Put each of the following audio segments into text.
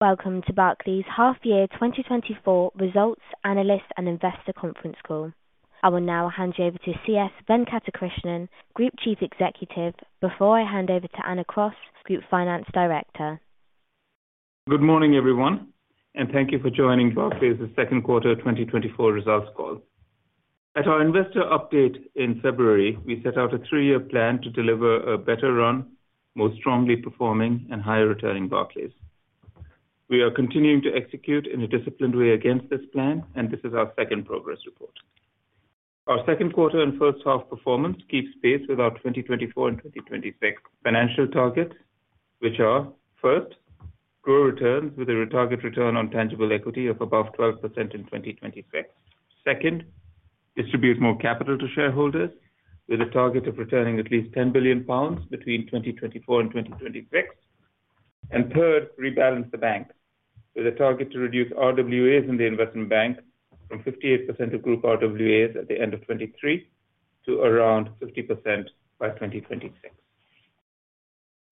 Welcome to Barclays Half-Year 2024 Results Analyst and investor conference call. I will now hand you over to C.S. Venkatakrishnan, Group Chief Executive, before I hand over to Anna Cross, Group Finance Director. Good morning, everyone, and thank you for joining Barclays' Q2 2024 Results Call. At our investor update in February, we set out a three-year plan to deliver a better run, more strongly performing, and higher-returning Barclays. We are continuing to execute in a disciplined way against this plan, and this is our second progress report. Our Q2 and first half performance keeps pace with our 2024 and 2026 financial targets, which are: first, grow returns with a target return on tangible equity of above 12% in 2026; second, distribute more capital to shareholders with a target of returning at least £10 billion between 2024 and 2026; and third, rebalance the bank with a target to reduce RWAs in the Investment Bank from 58% of group RWAs at the end of 2023 to around 50% by 2026.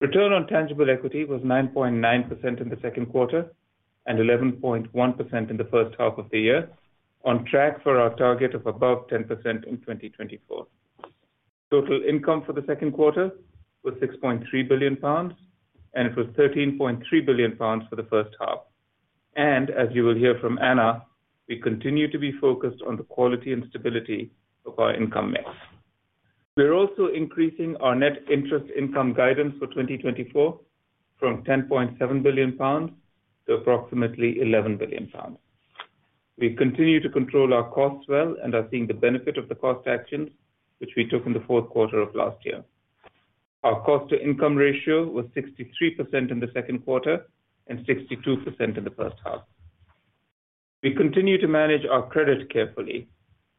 Return on tangible equity was 9.9% in the Q2 and 11.1% in the first half of the year, on track for our target of above 10% in 2024. Total income for the Q2 was 6.3 billion pounds, and it was 13.3 billion pounds for the first half. As you will hear from Anna, we continue to be focused on the quality and stability of our income mix. We're also increasing our net interest income guidance for 2024 from 10.7 billion pounds to approximately 11 billion pounds. We continue to control our costs well and are seeing the benefit of the cost actions which we took in the Q4 of last year. Our cost-to-income ratio was 63% in the Q2 and 62% in the first half. We continue to manage our credit carefully.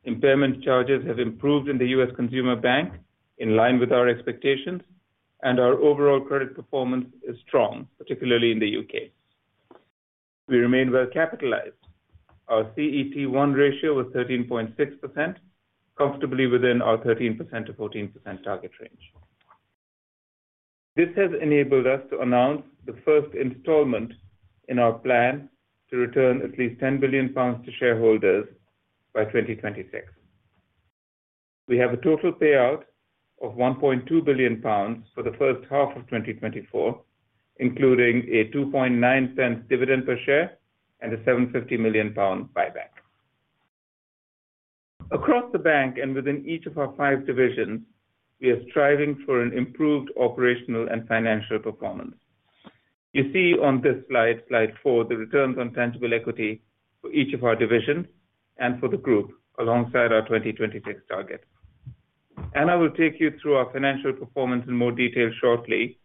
Impairment charges have improved in the US Consumer Bank in line with our expectations, and our overall credit performance is strong, particularly in the UK. We remain well-capitalized. Our CET1 ratio was 13.6%, comfortably within our 13%-14% target range. This has enabled us to announce the first installment in our plan to return at least 10 billion pounds to shareholders by 2026. We have a total payout of 1.2 billion pounds for the first half of 2024, including a 0.29 dividend per share and a 750 million pound buyback. Across the bank and within each of our five divisions, we are striving for an improved operational and financial performance. You see on this slide, slide four, the returns on tangible equity for each of our divisions and for the group, alongside our 2026 target. Anna will take you through our financial performance in more detail shortly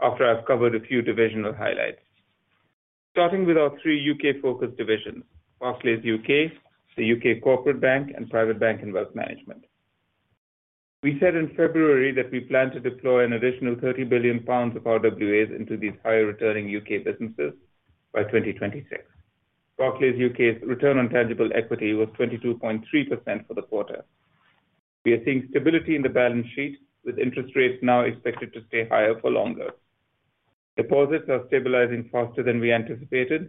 after I've covered a few divisional highlights. Starting with our three UK-focused divisions: Barclays UK, the UK Corporate Bank, and Private Banking and Wealth Management. We said in February that we plan to deploy an additional £30 billion of RWAs into these higher-returning UK businesses by 2026. Barclays UK's return on tangible equity was 22.3% for the quarter. We are seeing stability in the balance sheet, with interest rates now expected to stay higher for longer. Deposits are stabilizing faster than we anticipated,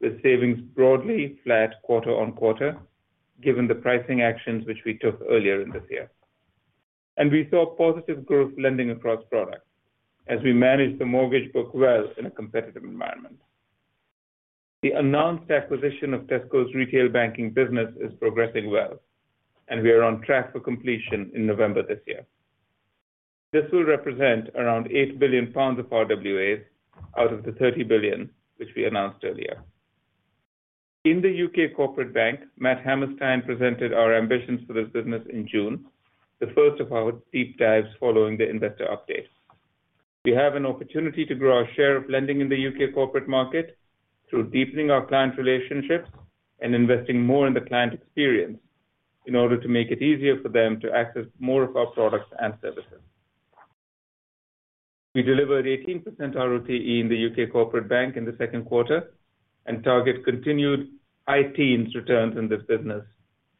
with savings broadly flat quarter on quarter, given the pricing actions which we took earlier in this year. We saw positive growth lending across products, as we manage the mortgage book well in a competitive environment. The announced acquisition of Tesco's retail banking business is progressing well, and we are on track for completion in November this year. This will represent around 8 billion pounds of RWAs out of the 30 billion which we announced earlier. In the UK Corporate Bank, Matt Hammerstein presented our ambitions for this business in June, the first of our deep dives following the investor update. We have an opportunity to grow our share of lending in the UK corporate market through deepening our client relationships and investing more in the client experience in order to make it easier for them to access more of our products and services. We delivered 18% ROTE in the UK Corporate Bank in the Q2 and target continued high-teens returns in this business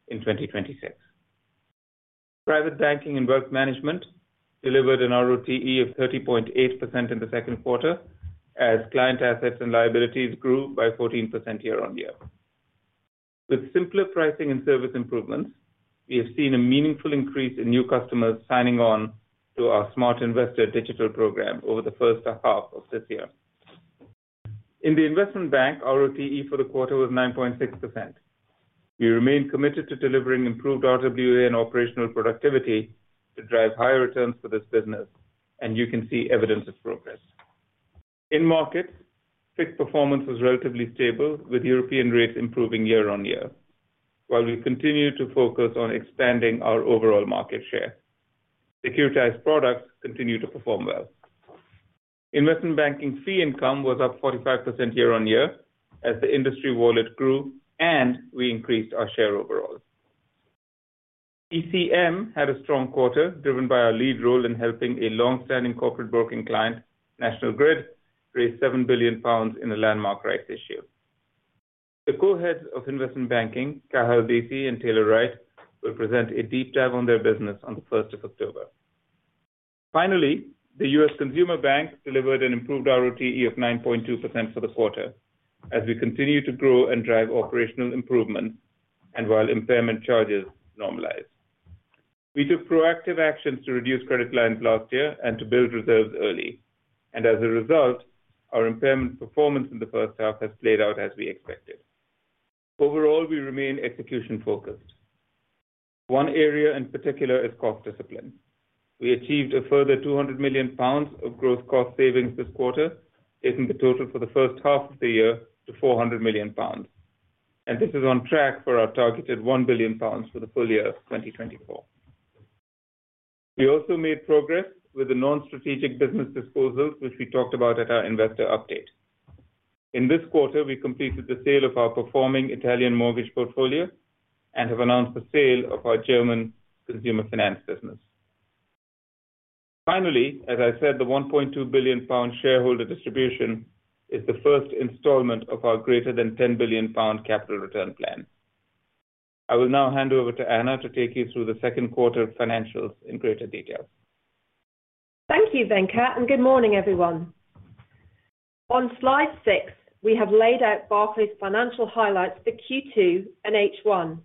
in 2026. Private Banking and Wealth Management delivered an ROTE of 30.8% in the Q2, as client assets and liabilities grew by 14% year-on-year. With simpler pricing and service improvements, we have seen a meaningful increase in new customers signing on to our Smart Investor digital program over the first half of this year. In the Investment Bank, ROTE for the quarter was 9.6%. We remain committed to delivering improved RWA and operational productivity to drive higher returns for this business, and you can see evidence of progress. In markets, FICC performance was relatively stable, with European rates improving year-on-year, while we continue to focus on expanding our overall market share. Securitized products continue to perform well. Investment banking fee income was up 45% year-on-year, as the industry wallet grew and we increased our share overall. ECM had a strong quarter, driven by our lead role in helping a longstanding corporate broking client, National Grid, raise 7 billion pounds in a landmark rights issue this year. The co-heads of investment banking, Cathal Deasy and Taylor Wright, will present a deep dive on their business on the 1st of October. Finally, the U.S. Consumer Bank delivered an improved ROTE of 9.2% for the quarter, as we continue to grow and drive operational improvements while impairment charges normalize. We took proactive actions to reduce credit lines last year and to build reserves early, and as a result, our impairment performance in the first half has played out as we expected. Overall, we remain execution-focused. One area in particular is cost discipline. We achieved a further 200 million pounds of gross cost savings this quarter, taking the total for the first half of the year to 400 million pounds, and this is on track for our targeted 1 billion pounds for the full year of 2024. We also made progress with the non-strategic business disposals, which we talked about at our investor update. In this quarter, we completed the sale of our performing Italian mortgage portfolio and have announced the sale of our German consumer finance business. Finally, as I said, the 1.2 billion pound shareholder distribution is the first installment of our greater than 10 billion pound capital return plan. I will now hand over to Anna to take you through the Q2 financials in greater detail. Thank you, Venkat, and good morning, everyone. On slide 6, we have laid out Barclays' financial highlights for Q2 and H1,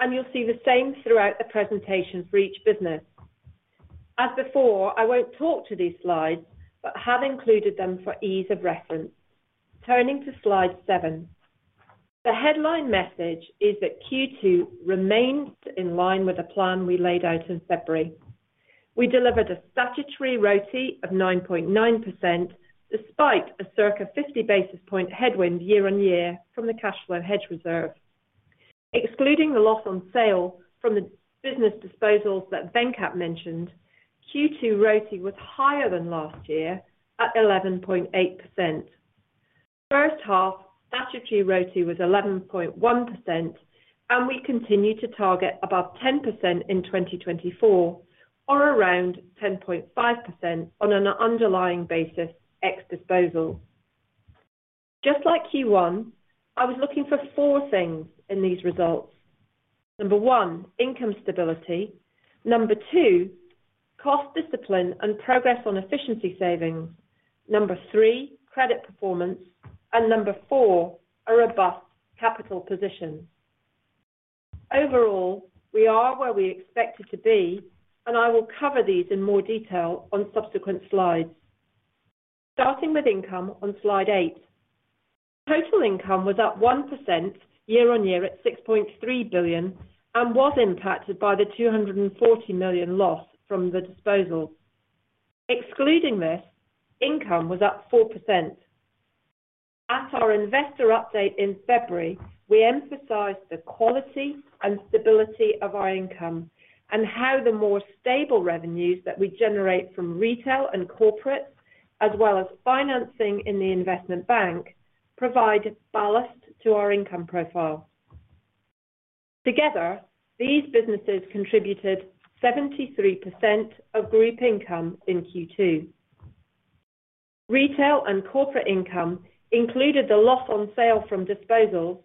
and you'll see the same throughout the presentation for each business. As before, I won't talk to these slides, but have included them for ease of reference. Turning to slide 7, the headline message is that Q2 remains in line with the plan we laid out in February. We delivered a statutory ROTE of 9.9%, despite a circa 50 basis point headwind year-on-year from the cash flow hedge reserve. Excluding the loss on sale from the business disposals that Venkat mentioned, Q2 ROTE was higher than last year at 11.8%. The first half statutory ROTE was 11.1%, and we continue to target above 10% in 2024, or around 10.5% on an underlying basis ex-disposal. Just like Q1, I was looking for four things in these results. Number 1, income stability. Number 2, cost discipline and progress on efficiency savings. Number 3, credit performance. Number 4, a robust capital position. Overall, we are where we expected to be, and I will cover these in more detail on subsequent slides. Starting with income on slide 8, total income was up 1% year-on-year at 6.3 billion and was impacted by the 240 million loss from the disposal. Excluding this, income was up 4%. At our investor update in February, we emphasized the quality and stability of our income and how the more stable revenues that we generate from retail and corporate, as well as financing in the Investment Bank, provide ballast to our income profile. Together, these businesses contributed 73% of group income in Q2. Retail and corporate income included the loss on sale from disposals,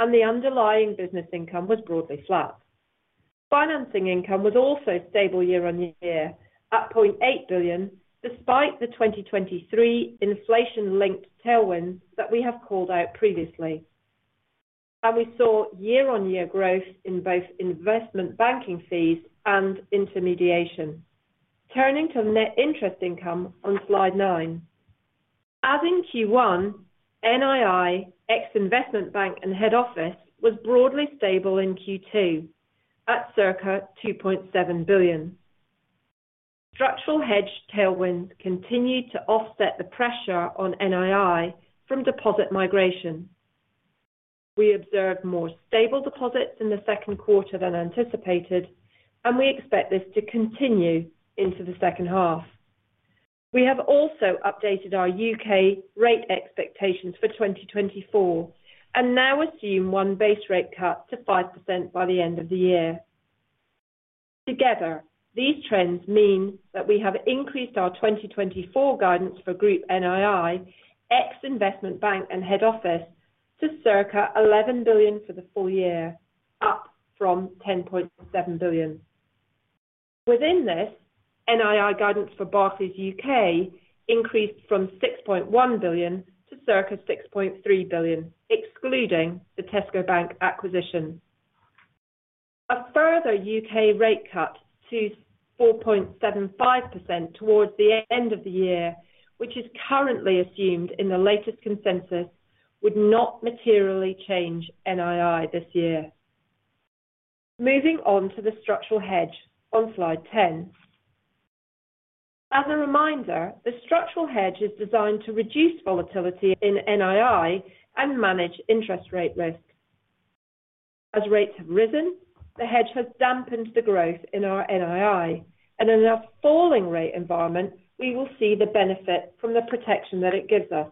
and the underlying business income was broadly flat. Financing income was also stable year-on-year at £0.8 billion, despite the 2023 inflation-linked tailwinds that we have called out previously. We saw year-on-year growth in both Investment Banking fees and intermediation. Turning to net interest income on slide nine, as in Q1, NII, ex-investment bank and Head Office was broadly stable in Q2 at circa £2.7 billion. Structural hedge tailwinds continued to offset the pressure on NII from deposit migration. We observed more stable deposits in the Q2 than anticipated, and we expect this to continue into the second half. We have also updated our UK rate expectations for 2024 and now assume one base rate cut to 5% by the end of the year. Together, these trends mean that we have increased our 2024 guidance for group NII, ex-investment bank and Head Office to circa £11 billion for the full year, up from £10.7 billion. Within this, NII guidance for Barclays UK increased from £6.1 billion to circa £6.3 billion, excluding the Tesco Bank acquisition. A further UK rate cut to 4.75% towards the end of the year, which is currently assumed in the latest consensus, would not materially change NII this year. Moving on to the structural hedge on slide 10. As a reminder, the structural hedge is designed to reduce volatility in NII and manage interest rate risk. As rates have risen, the hedge has dampened the growth in our NII, and in a falling rate environment, we will see the benefit from the protection that it gives us.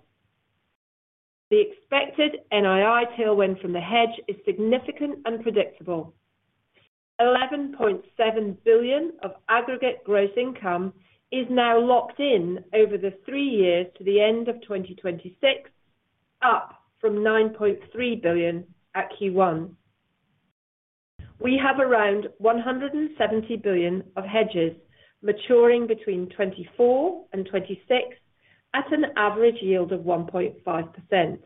The expected NII tailwind from the hedge is significant and predictable. £11.7 billion of aggregate gross income is now locked in over the three years to the end of 2026, up from £9.3 billion at Q1. We have around £170 billion of hedges maturing between 2024 and 2026 at an average yield of 1.5%.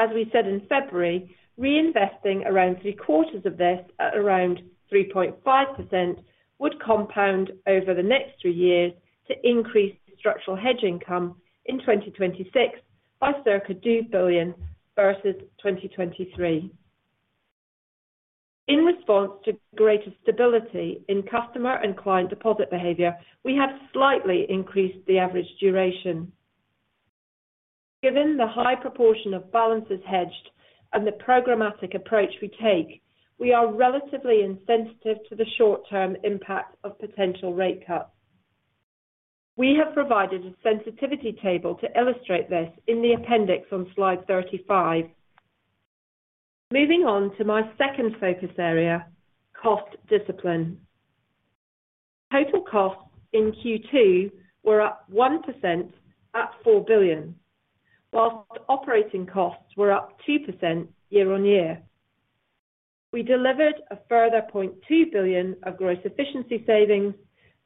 As we said in February, reinvesting around three quarters of this at around 3.5% would compound over the next three years to increase structural hedge income in 2026 by circa £2 billion versus 2023. In response to greater stability in customer and client deposit behavior, we have slightly increased the average duration. Given the high proportion of balances hedged and the programmatic approach we take, we are relatively insensitive to the short-term impact of potential rate cuts. We have provided a sensitivity table to illustrate this in the appendix on slide 35. Moving on to my second focus area, cost discipline. Total costs in Q2 were up 1% at £4 billion, while operating costs were up 2% year-on-year. We delivered a further 0.2 billion of gross efficiency savings,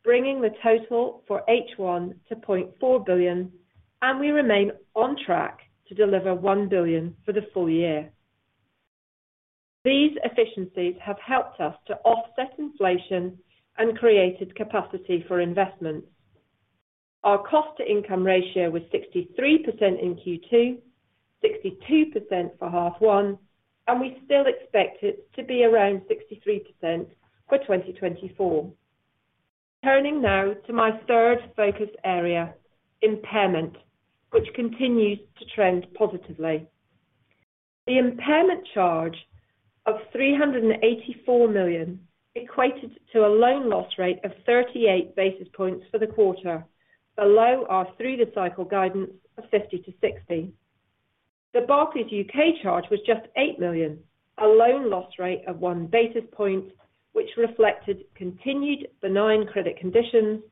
bringing the total for H1 to 0.4 billion, and we remain on track to deliver 1 billion for the full year. These efficiencies have helped us to offset inflation and created capacity for investments. Our cost-to-income ratio was 63% in Q2, 62% for half one, and we still expect it to be around 63% for 2024. Turning now to my third focus area, impairment, which continues to trend positively. The impairment charge of 384 million equated to a loan loss rate of 38 basis points for the quarter, below our through-the-cycle guidance of 50 to 60. The Barclays UK charge was just 8 million, a loan loss rate of one basis point, which reflected continued benign credit conditions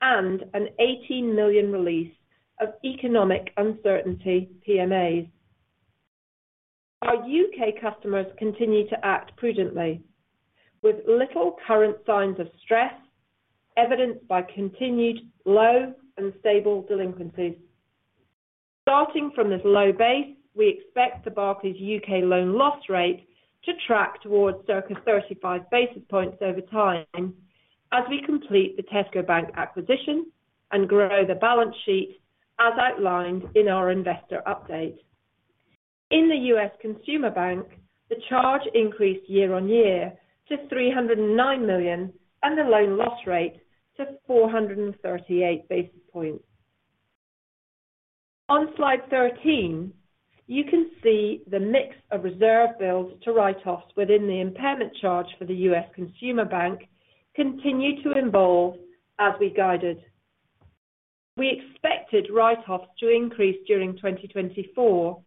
and a 18 million release of economic uncertainty PMAs. Our UK customers continue to act prudently, with little current signs of stress evidenced by continued low and stable delinquencies. Starting from this low base, we expect the Barclays UK loan loss rate to track towards circa 35 basis points over time as we complete the Tesco Bank acquisition and grow the balance sheet as outlined in our investor update. In the US Consumer Bank, the charge increased year-on-year to 309 million and the loan loss rate to 438 basis points. On slide 13, you can see the mix of reserve bills to write-offs within the impairment charge for the US Consumer Bank continue to evolve as we guided. We expected write-offs to increase during 2024,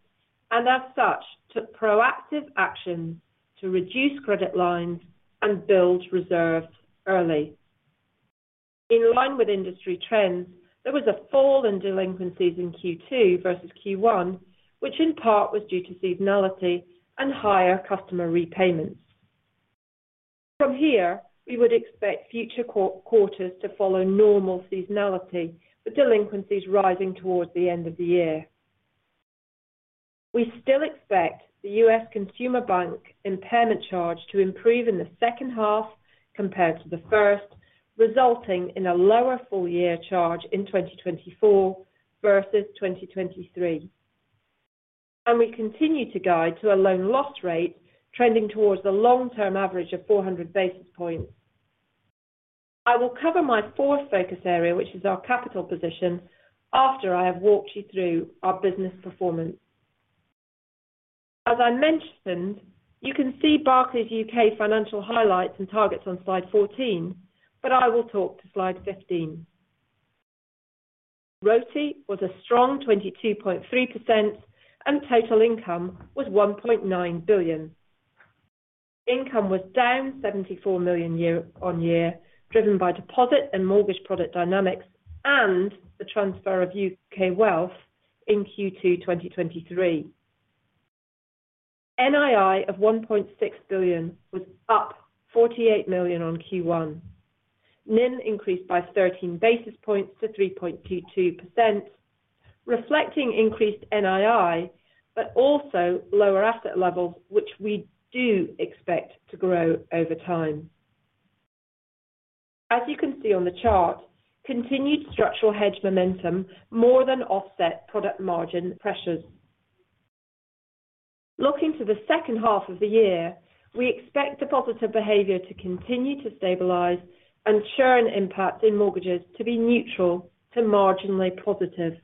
and as such, took proactive actions to reduce credit lines and build reserves early. In line with industry trends, there was a fall in delinquencies in Q2 versus Q1, which in part was due to seasonality and higher customer repayments. From here, we would expect future quarters to follow normal seasonality, with delinquencies rising towards the end of the year. We still expect the US Consumer Bank impairment charge to improve in the second half compared to the first, resulting in a lower full-year charge in 2024 versus 2023. We continue to guide to a loan loss rate trending towards the long-term average of 400 basis points. I will cover my fourth focus area, which is our capital position, after I have walked you through our business performance. As I mentioned, you can see Barclays UK financial highlights and targets on slide 14, but I will talk to slide 15. ROTE was a strong 22.3%, and total income was £1.9 billion. Income was down £74 million year-on-year, driven by deposit and mortgage product dynamics and the transfer of UK wealth in Q2 2023. NII of £1.6 billion was up £48 million on Q1. NIM increased by 13 basis points to 3.22%, reflecting increased NII but also lower asset levels, which we do expect to grow over time. As you can see on the chart, continued structural hedge momentum more than offset product margin pressures. Looking to the second half of the year, we expect depositor behavior to continue to stabilize and churn impact in mortgages to be neutral to marginally positive.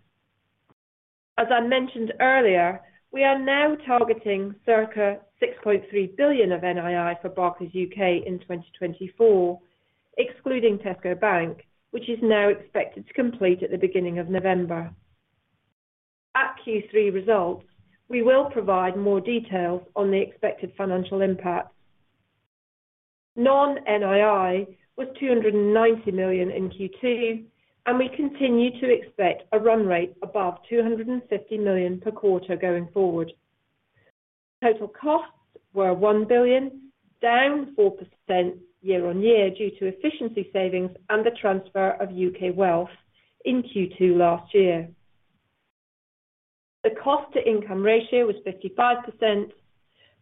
As I mentioned earlier, we are now targeting circa £6.3 billion of NII for Barclays UK in 2024, excluding Tesco Bank, which is now expected to complete at the beginning of November. At Q3 results, we will provide more details on the expected financial impact. Non-NII was 290 million in Q2, and we continue to expect a run rate above 250 million per quarter going forward. Total costs were 1 billion, down 4% year-over-year due to efficiency savings and the transfer of UK wealth in Q2 last year. The cost-to-income ratio was 55%.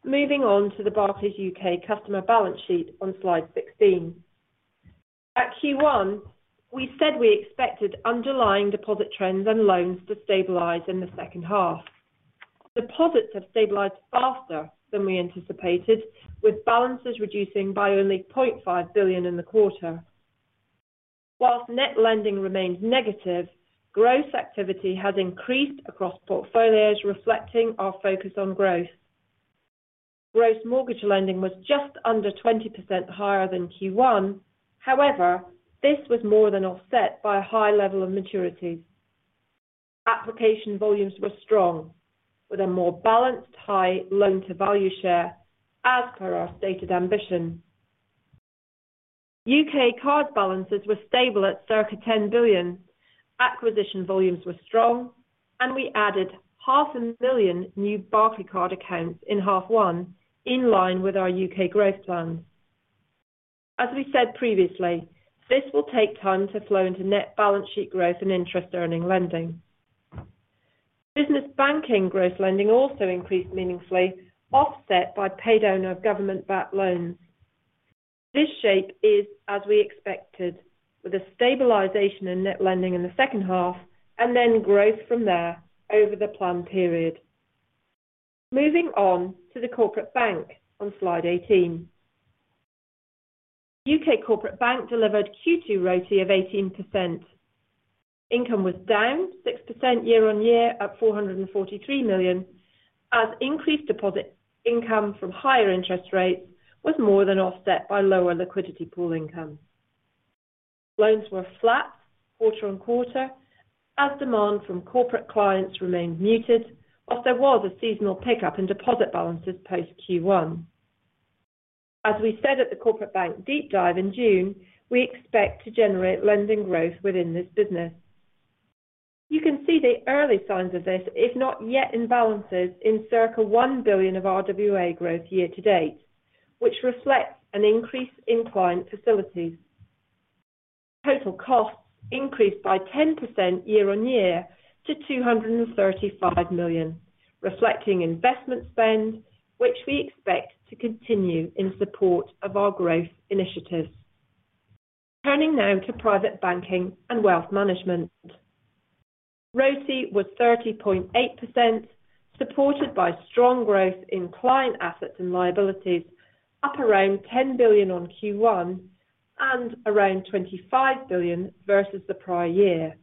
Moving on to the Barclays UK customer balance sheet on slide 16. At Q1, we said we expected underlying deposit trends and loans to stabilize in the second half. Deposits have stabilized faster than we anticipated, with balances reducing by only 0.5 billion in the quarter. While net lending remains negative, gross activity has increased across portfolios, reflecting our focus on growth. Gross mortgage lending was just under 20% higher than Q1. However, this was more than offset by a high level of maturities. Application volumes were strong, with a more balanced high loan-to-value share as per our stated ambition. UK card balances were stable at circa 10 billion. Acquisition volumes were strong, and we added 500,000 new Barclaycard accounts in half one in line with our UK growth plan. As we said previously, this will take time to flow into net balance sheet growth and interest-earning lending. Business banking gross lending also increased meaningfully, offset by paydown of government-backed loans. This shape is as we expected, with a stabilization in net lending in the second half and then growth from there over the planned period. Moving on to the corporate bank on slide 18. UK Corporate Bank delivered Q2 ROTE of 18%. Income was down 6% year-on-year at 443 million, as increased deposit income from higher interest rates was more than offset by lower liquidity pool income. Loans were flat quarter on quarter as demand from corporate clients remained muted, while there was a seasonal pickup in deposit balances post Q1. As we said at the corporate bank deep dive in June, we expect to generate lending growth within this business. You can see the early signs of this, if not yet in balances, in circa 1 billion of RWA growth year to date, which reflects an increase in client facilities. Total costs increased by 10% year on year to 235 million, reflecting investment spend, which we expect to continue in support of our growth initiatives. Turning now to private banking and wealth management. ROTE was 30.8%, supported by strong growth in client assets and liabilities, up around 10 billion on Q1 and around 25 billion versus the prior year.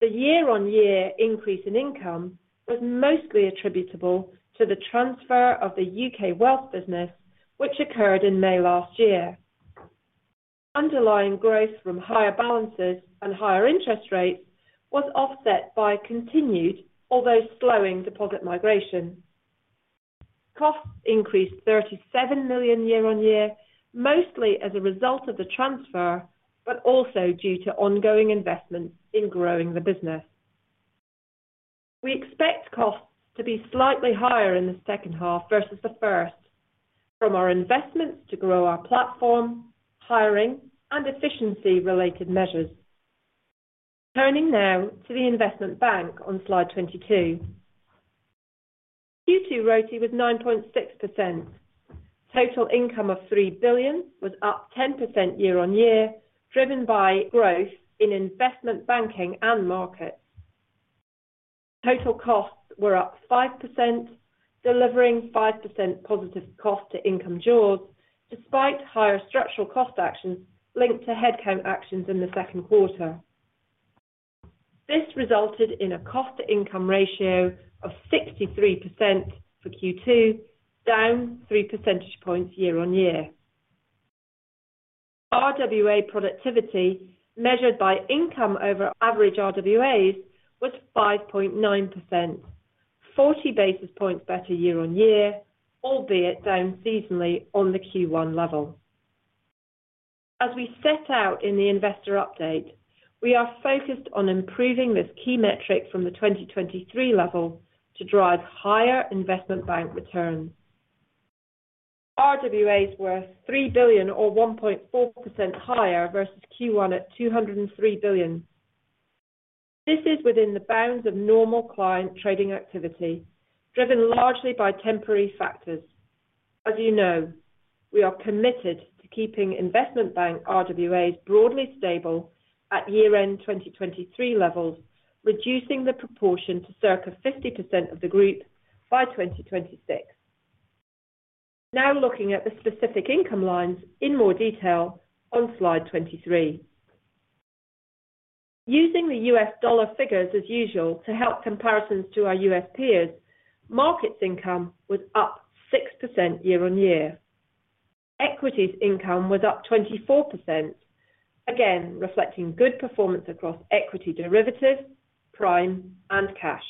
The year-over-year increase in income was mostly attributable to the transfer of the UK wealth business, which occurred in May last year. Underlying growth from higher balances and higher interest rates was offset by continued, although slowing, deposit migration. Costs increased 37 million year-over-year, mostly as a result of the transfer, but also due to ongoing investment in growing the business. We expect costs to be slightly higher in the second half versus the first, from our investments to grow our platform, hiring, and efficiency-related measures. Turning now to the investment bank on slide 22. Q2 ROTE was 9.6%. Total income of £3 billion was up 10% year-over-year, driven by growth in investment banking and markets. Total costs were up 5%, delivering 5% positive cost-to-income jaws, despite higher structural cost actions linked to headcount actions in the Q2. This resulted in a cost-to-income ratio of 63% for Q2, down 3 percentage points year-on-year. RWA productivity measured by income over average RWAs was 5.9%, 40 basis points better year-on-year, albeit down seasonally on the Q1 level. As we set out in the investor update, we are focused on improving this key metric from the 2023 level to drive higher Investment Bankreturns. RWAs were 3 billion, or 1.4% higher versus Q1 at 203 billion. This is within the bounds of normal client trading activity, driven largely by temporary factors. As you know, we are committed to keeping Investment Bank RWAs broadly stable at year-end 2023 levels, reducing the proportion to circa 50% of the group by 2026. Now looking at the specific income lines in more detail on slide 23. Using the U.S. dollar figures as usual to help comparisons to our U.S. peers, markets income was up 6% year-on-year. Equities income was up 24%, again reflecting good performance across equity derivatives, prime, and cash.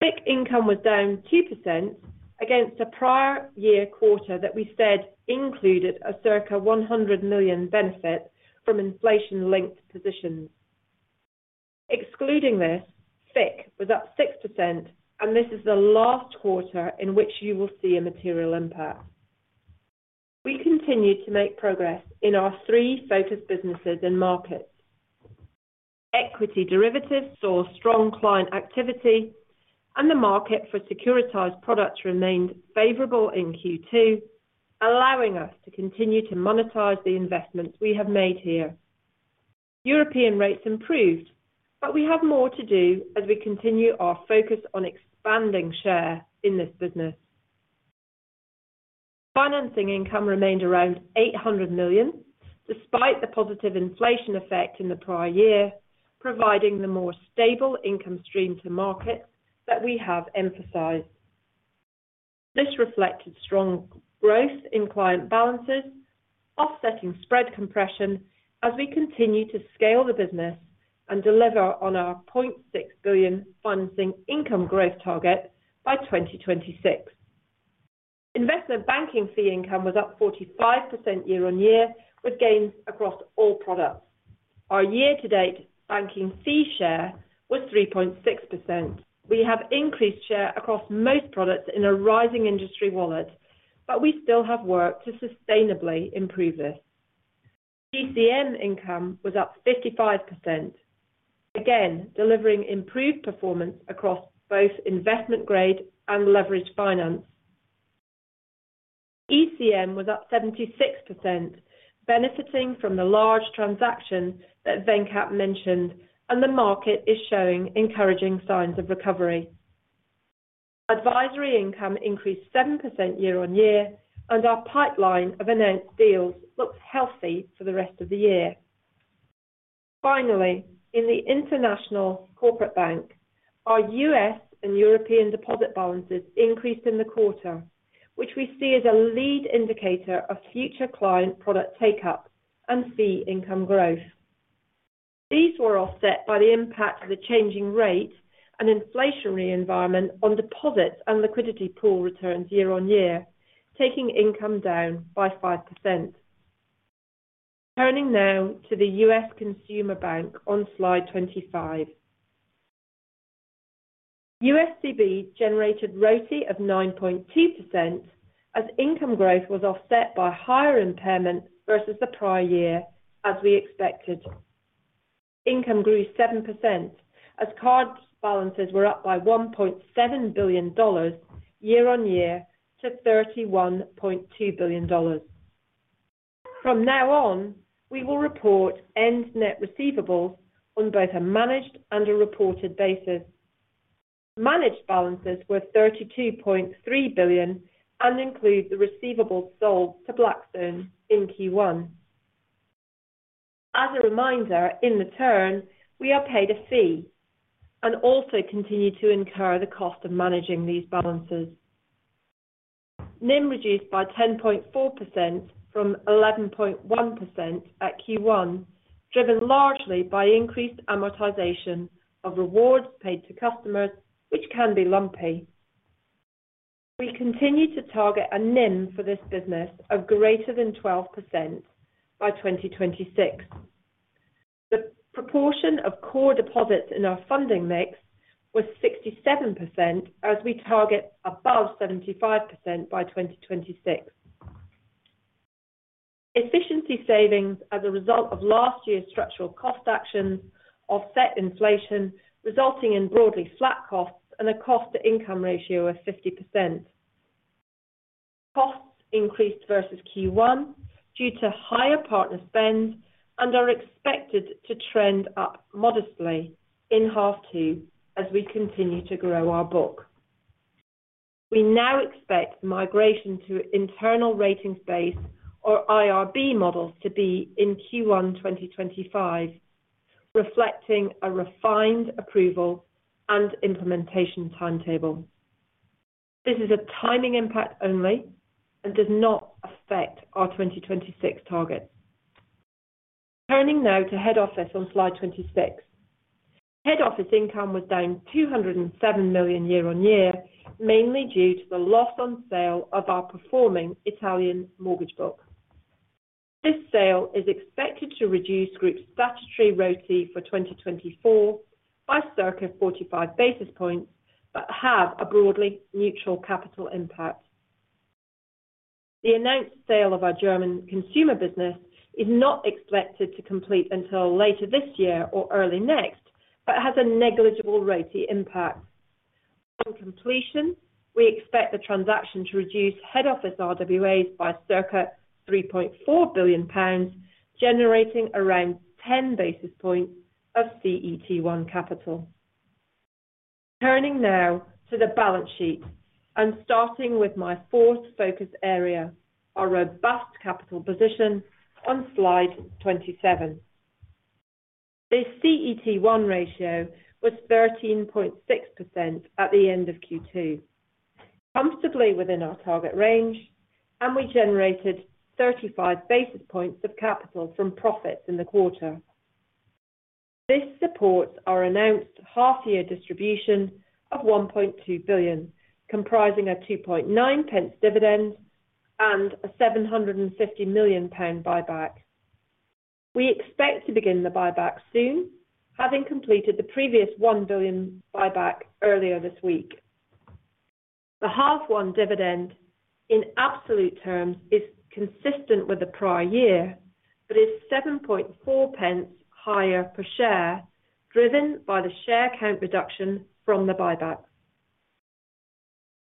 Quick income was down 2% against a prior year quarter that we said included a circa 100 million benefit from inflation-linked positions. Excluding this, FIC was up 6%, and this is the last quarter in which you will see a material impact. We continue to make progress in our three focus businesses and markets. Equity derivatives saw strong client activity, and the market for securitized products remained favorable in Q2, allowing us to continue to monetize the investments we have made here. European rates improved, but we have more to do as we continue our focus on expanding share in this business. Financing income remained around 800 million, despite the positive inflation effect in the prior year, providing the more stable income stream to markets that we have emphasized. This reflected strong growth in client balances, offsetting spread compression as we continue to scale the business and deliver on our 0.6 billion financing income growth target by 2026. Investment banking fee income was up 45% year-on-year, with gains across all products. Our year-to-date banking fee share was 3.6%. We have increased share across most products in a rising industry wallet, but we still have work to sustainably improve this. DCM income was up 55%, again delivering improved performance across both investment-grade and leveraged finance. ECM was up 76%, benefiting from the large transaction that Venkat mentioned, and the market is showing encouraging signs of recovery. Advisory income increased 7% year-on-year, and our pipeline of announced deals looks healthy for the rest of the year. Finally, in the international corporate bank, our U.S. and European deposit balances increased in the quarter, which we see as a lead indicator of future client product take-up and fee income growth. These were offset by the impact of the changing rate and inflationary environment on deposits and liquidity pool returns year-on-year, taking income down by 5%. Turning now to the U.S. consumer bank on slide 25. USCB generated ROTE of 9.2% as income growth was offset by higher impairment versus the prior year, as we expected. Income grew 7% as card balances were up by $1.7 billion year-on-year to $31.2 billion. From now on, we will report end net receivables on both a managed and a reported basis. Managed balances were $32.3 billion and include the receivables sold to Blackstone in Q1. As a reminder, in return, we are paid a fee and also continue to incur the cost of managing these balances. NIM reduced by 10.4% from 11.1% at Q1, driven largely by increased amortization of rewards paid to customers, which can be lumpy. We continue to target a NIM for this business of greater than 12% by 2026. The proportion of core deposits in our funding mix was 67% as we target above 75% by 2026. Efficiency savings as a result of last year's structural cost actions offset inflation, resulting in broadly flat costs and a cost-to-income ratio of 50%. Costs increased versus Q1 due to higher partner spend and are expected to trend up modestly in half two as we continue to grow our book. We now expect migration to internal ratings-based or IRB models to be in Q1 2025, reflecting a refined approval and implementation timetable. This is a timing impact only and does not affect our 2026 target. Turning now to Head Office on slide 26. Head Office income was down 207 million year-on-year, mainly due to the loss on sale of our performing Italian mortgage book. This sale is expected to reduce group statutory ROTE for 2024 by circa 45 basis points but have a broadly neutral capital impact. The announced sale of our German consumer business is not expected to complete until later this year or early next, but has a negligible ROTE impact. On completion, we expect the transaction to reduce Head Office RWAs by circa £3.4 billion, generating around 10 basis points of CET1 capital. Turning now to the balance sheet and starting with my fourth focus area, our robust capital position on slide 27. The CET1 ratio was 13.6% at the end of Q2, comfortably within our target range, and we generated 35 basis points of capital from profits in the quarter. This supports our announced half-year distribution of £1.2 billion, comprising a £2.90 dividend and a £750 million buyback. We expect to begin the buyback soon, having completed the previous £1 billion buyback earlier this week. The half-year dividend, in absolute terms, is consistent with the prior year, but is 7.4% higher per share, driven by the share count reduction from the buyback.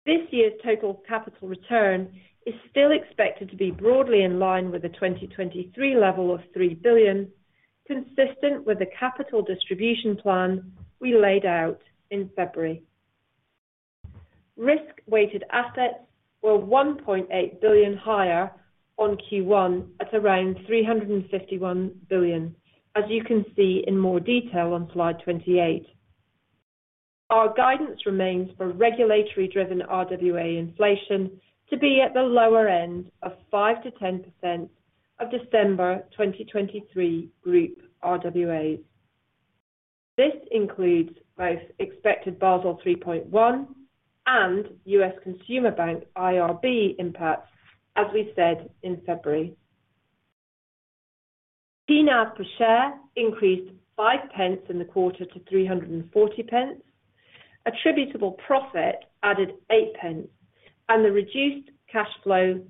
This year's total capital return is still expected to be broadly in line with the 2023 level of £3 billion, consistent with the capital distribution plan we laid out in February. Risk-weighted assets were £1.8 billion higher in Q1 at around £351 billion, as you can see in more detail on slide 28. Our guidance remains for regulatory-driven RWA inflation to be at the lower end of 5%-10% of December 2023 group RWAs. This includes both expected Basel 3.1 and US Consumer Bank IRB impacts, as we said in February. TNAV per share increased £0.05 in the quarter to £340, attributable profit added £0.08, and the reduced cash flow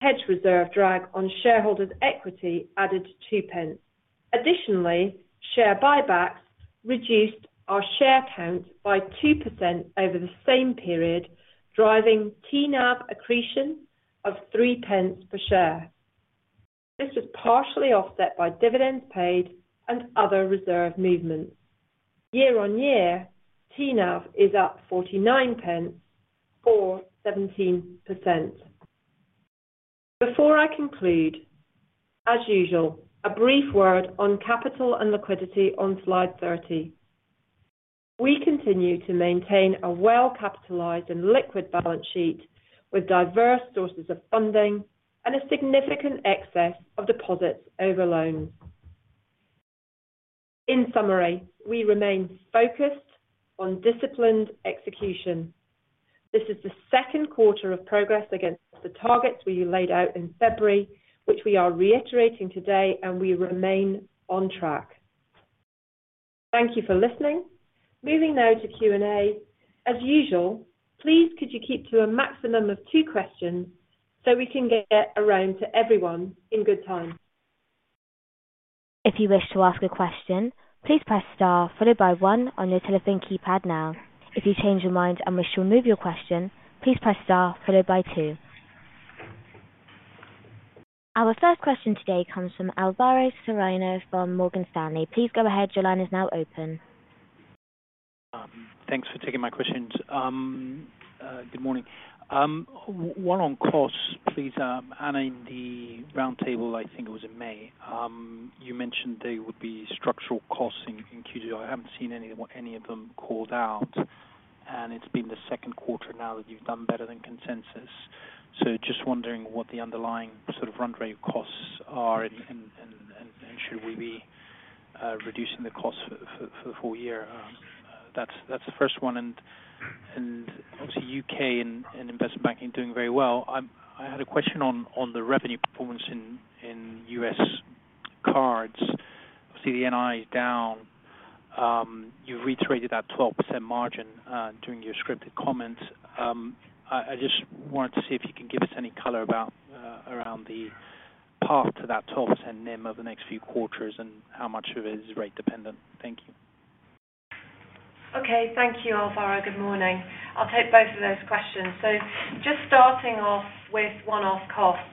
hedge reserve drag on shareholders' equity added £0.02. Additionally, share buybacks reduced our share count by 2% over the same period, driving TNAV accretion of £0.03 per share. This was partially offset by dividends paid and other reserve movements. Year-on-year, TNAV is up £0.49, or 17%. Before I conclude, as usual, a brief word on capital and liquidity on slide 30. We continue to maintain a well-capitalized and liquid balance sheet with diverse sources of funding and a significant excess of deposits over loans. In summary, we remain focused on disciplined execution. This is the Q2 of progress against the targets we laid out in February, which we are reiterating today, and we remain on track. Thank you for listening. Moving now to Q&A. As usual, please could you keep to a maximum of two questions so we can get around to everyone in good time? If you wish to ask a question, please press star followed by one on your telephone keypad now. If you change your mind and wish to remove your question, please press star followed by two. Our first question today comes from Alvaro Serrano from Morgan Stanley. Please go ahead. Your line is now open. Thanks for taking my questions. Good morning. One on costs, please. In the roundtable, I think it was in May, you mentioned there would be structural costs included. I haven't seen any of them called out, and it's been the Q2 now that you've done better than consensus. So just wondering what the underlying sort of run rate costs are, and should we be reducing the cost for the full year. That's the first one. Obviously, UK and investment banking doing very well. I had a question on the revenue performance in US cards. Obviously, the NI is down. You've reiterated that 12% margin during your scripted comment. I just wanted to see if you can give us any color around the path to that 12% NIM over the next few quarters and how much of it is rate dependent. Thank you. Okay. Thank you, Alvaro. Good morning. I'll take both of those questions. So just starting off with one-off costs.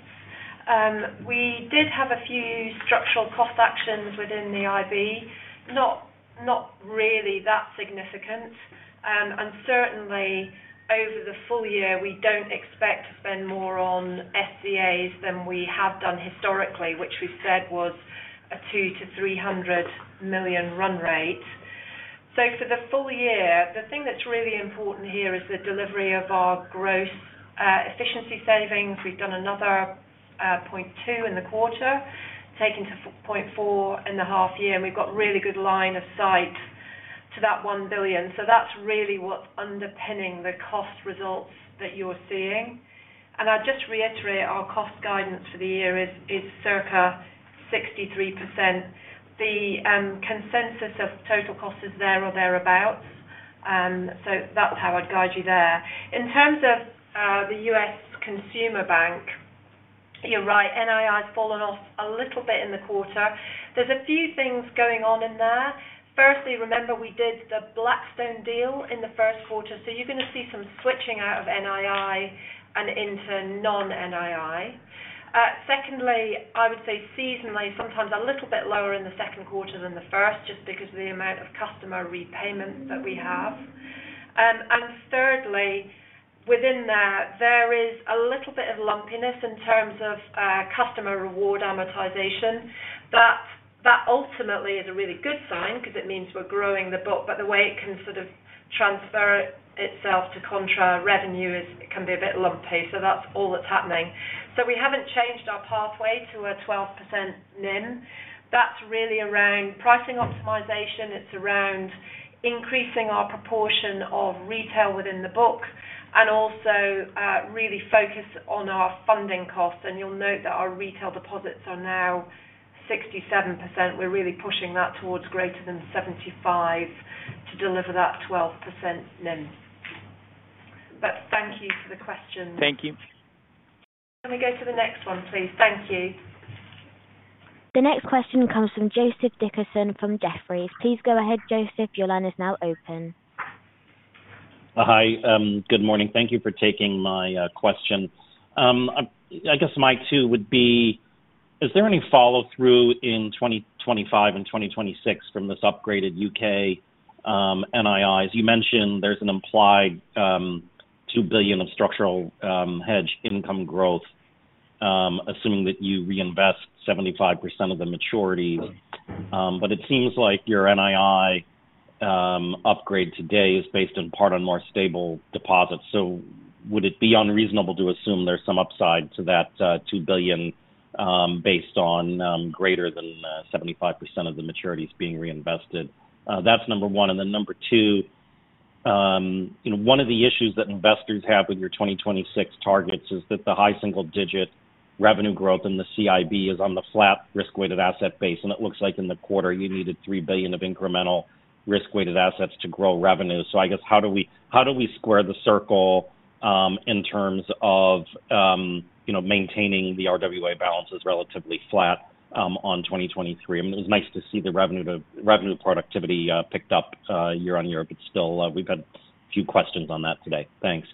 We did have a few structural cost actions within the IB, not really that significant. Certainly, over the full year, we don't expect to spend more on SCAs than we have done historically, which we said was a 200 million-300 million run rate. So for the full year, the thing that's really important here is the delivery of our gross efficiency savings. We've done another 0.2 billion in the quarter, taken to 0.4 billion in the half year, and we've got a really good line of sight to that 1 billion. So that's really what's underpinning the cost results that you're seeing. I'll just reiterate our cost guidance for the year is circa 63%. The consensus of total costs is there or thereabouts. So that's how I'd guide you there. In terms of the US Consumer Bank, you're right, NII has fallen off a little bit in the quarter. There's a few things going on in there. Firstly, remember we did the Blackstone deal in the Q1, so you're going to see some switching out of NII and into non-NII. Secondly, I would say seasonally, sometimes a little bit lower in the Q2 than the first, just because of the amount of customer repayment that we have. And thirdly, within there, there is a little bit of lumpiness in terms of customer reward amortization. That ultimately is a really good sign because it means we're growing the book, but the way it can sort of transfer itself to contra revenue is it can be a bit lumpy. So that's all that's happening. So we haven't changed our pathway to a 12% NIM. That's really around pricing optimization. It's around increasing our proportion of retail within the book and also really focus on our funding costs. And you'll note that our retail deposits are now 67%. We're really pushing that towards greater than 75 to deliver that 12% NIM. But thank you for the questions. Thank you. Can we go to the next one, please? Thank you. The next question comes from Joseph Dickerson from Jefferies. Please go ahead, Joseph. Your line is now open. Hi. Good morning. Thank you for taking my question. I guess my two would be, is there any follow-through in 2025 and 2026 from this upgraded UK NIIs? You mentioned there's an implied 2 billion of structural hedge income growth, assuming that you reinvest 75% of the maturities. But it seems like your NII upgrade today is based in part on more stable deposits. So would it be unreasonable to assume there's some upside to that 2 billion based on greater than 75% of the maturities being reinvested? That's number one. And then number two, one of the issues that investors have with your 2026 targets is that the high single-digit revenue growth in the CIB is on the flat risk-weighted asset base. And it looks like in the quarter, you needed 3 billion of incremental risk-weighted assets to grow revenue. So I guess how do we square the circle in terms of maintaining the RWA balances relatively flat on 2023? I mean, it was nice to see the revenue productivity picked up year-on-year, but still, we've had a few questions on that today. Thanks.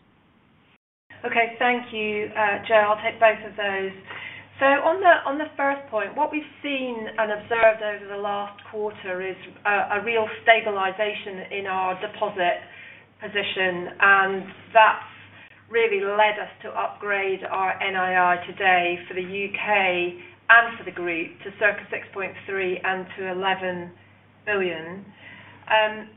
Okay. Thank you, Joe. I'll take both of those. So on the first point, what we've seen and observed over the last quarter is a real stabilization in our deposit position, and that's really led us to upgrade our NII today for the UK and for the group to circa 6.3 billion and 11 billion.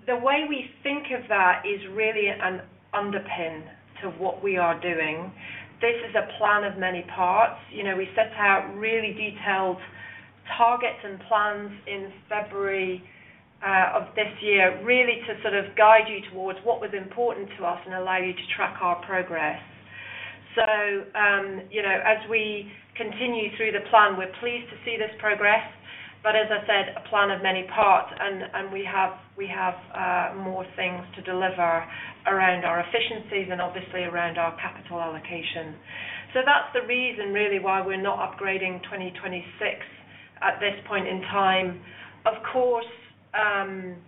The way we think of that is really an underpin to what we are doing. This is a plan of many parts. We set out really detailed targets and plans in February of this year, really to sort of guide you towards what was important to us and allow you to track our progress. So as we continue through the plan, we're pleased to see this progress, but as I said, a plan of many parts, and we have more things to deliver around our efficiencies and obviously around our capital allocation. So that's the reason really why we're not upgrading 2026 at this point in time. Of course, in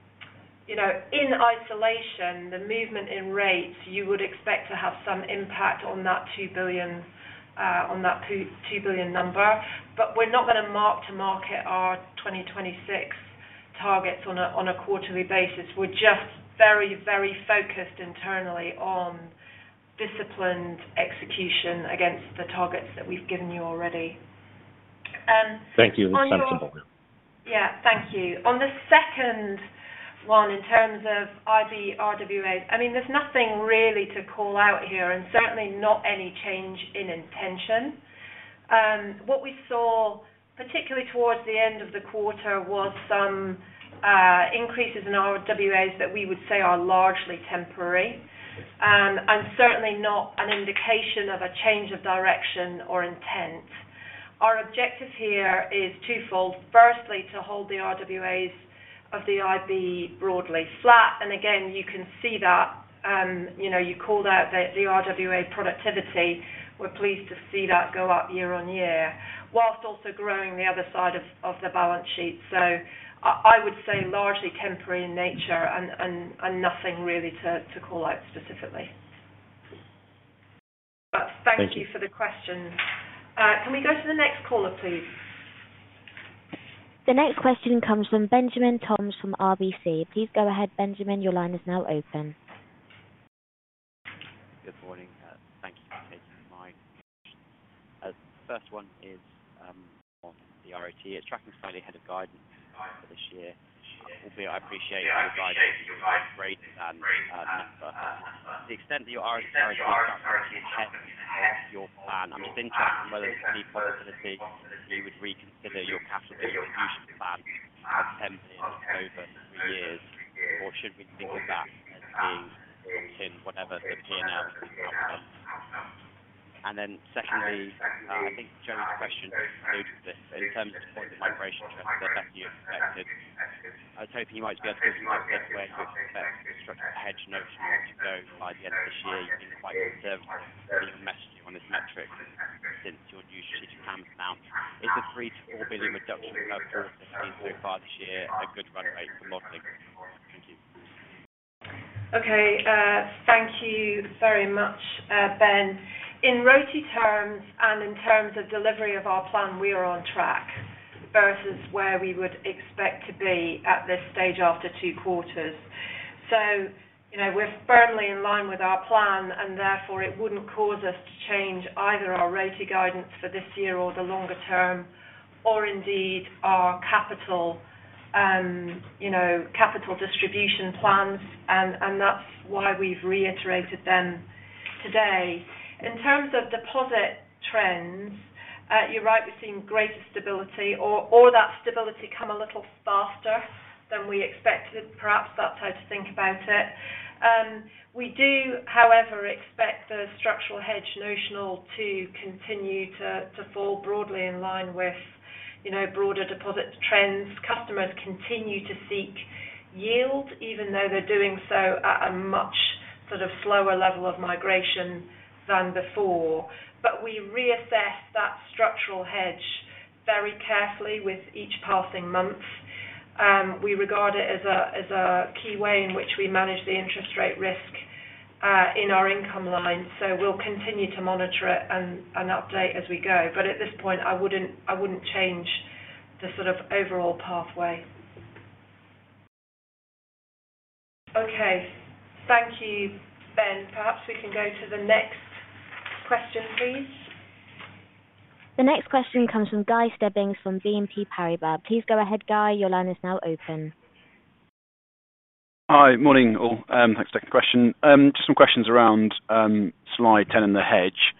isolation, the movement in rates, you would expect to have some impact on that 2 billion number. But we're not going to mark to market our 2026 targets on a quarterly basis. We're just very, very focused internally on disciplined execution against the targets that we've given you already. Thank you. That's sensible. Yeah. Thank you. On the second one, in terms of IB RWAs, I mean, there's nothing really to call out here, and certainly not any change in intention. What we saw, particularly towards the end of the quarter, was some increases in our RWAs that we would say are largely temporary and certainly not an indication of a change of direction or intent. Our objective here is twofold. Firstly, to hold the RWAs of the IB broadly flat. And again, you can see that you called out the RWA productivity. We're pleased to see that go up year-on-year, whilst also growing the other side of the balance sheet. So I would say largely temporary in nature and nothing really to call out specifically. But thank you for the question. Can we go to the next caller, please? The next question comes from Benjamin Toms from RBC. Please go ahead, Benjamin. Your line is now open. Good morning. Thank you for taking my question. The first one is on the RWA. It's tracking slightly ahead of guidance for this year, albeit I appreciate your guidance. It's greater than the number. To the extent that your RAT is tracking ahead of your plan, I'm just interested in whether there's any possibility you would reconsider your capital distribution plan of 10 billion over three years, or should we think of that as being in whatever the P&L outcome? And then secondly, I think Joey's question includes this. In terms of the point of migration trends, they're better than you expected. I was hoping you might just be able to give some updates where you expect the structural hedge notionally to go by the end of this year. You've been quite conservative. We haven't messaged you on this metric since your new strategic plan was announced. Is the 3 billion-4 billion reduction per quarter seen so far this year a good run rate for modeling? Thank you. Okay. Thank you very much, Ben. In ROTE terms and in terms of delivery of our plan, we are on track versus where we would expect to be at this stage after two quarters. So we're firmly in line with our plan, and therefore it wouldn't cause us to change either our rating guidance for this year or the longer term, or indeed our capital distribution plans, and that's why we've reiterated them today. In terms of deposit trends, you're right, we've seen greater stability, or that stability come a little faster than we expected, perhaps that's how to think about it. We do, however, expect the structural hedge notional to continue to fall broadly in line with broader deposit trends. Customers continue to seek yield, even though they're doing so at a much sort of slower level of migration than before. But we reassess that structural hedge very carefully with each passing month. We regard it as a key way in which we manage the interest rate risk in our income line. So we'll continue to monitor it and update as we go. But at this point, I wouldn't change the sort of overall pathway. Okay. Thank you, Ben. Perhaps we can go to the next question, please. The next question comes from Guy Stebbings from BNP Paribas. Please go ahead, Guy. Your line is now open. Hi. Morning all. Thanks for taking the question. Just some questions around slide 10 and the hedge.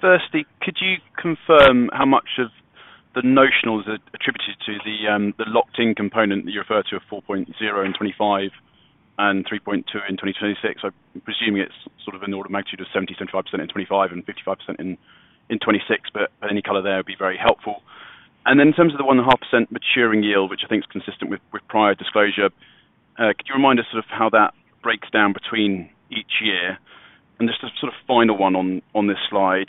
Firstly, could you confirm how much of the notional is attributed to the locked-in component that you refer to of 4.0 in 2025 and 3.2 in 2026? I'm presuming it's sort of in the order of magnitude of 70, 75% in 2025 and 55% in 2026, but any color there would be very helpful. And then in terms of the 1.5% maturing yield, which I think is consistent with prior disclosure, could you remind us sort of how that breaks down between each year? And just a sort of final one on this slide.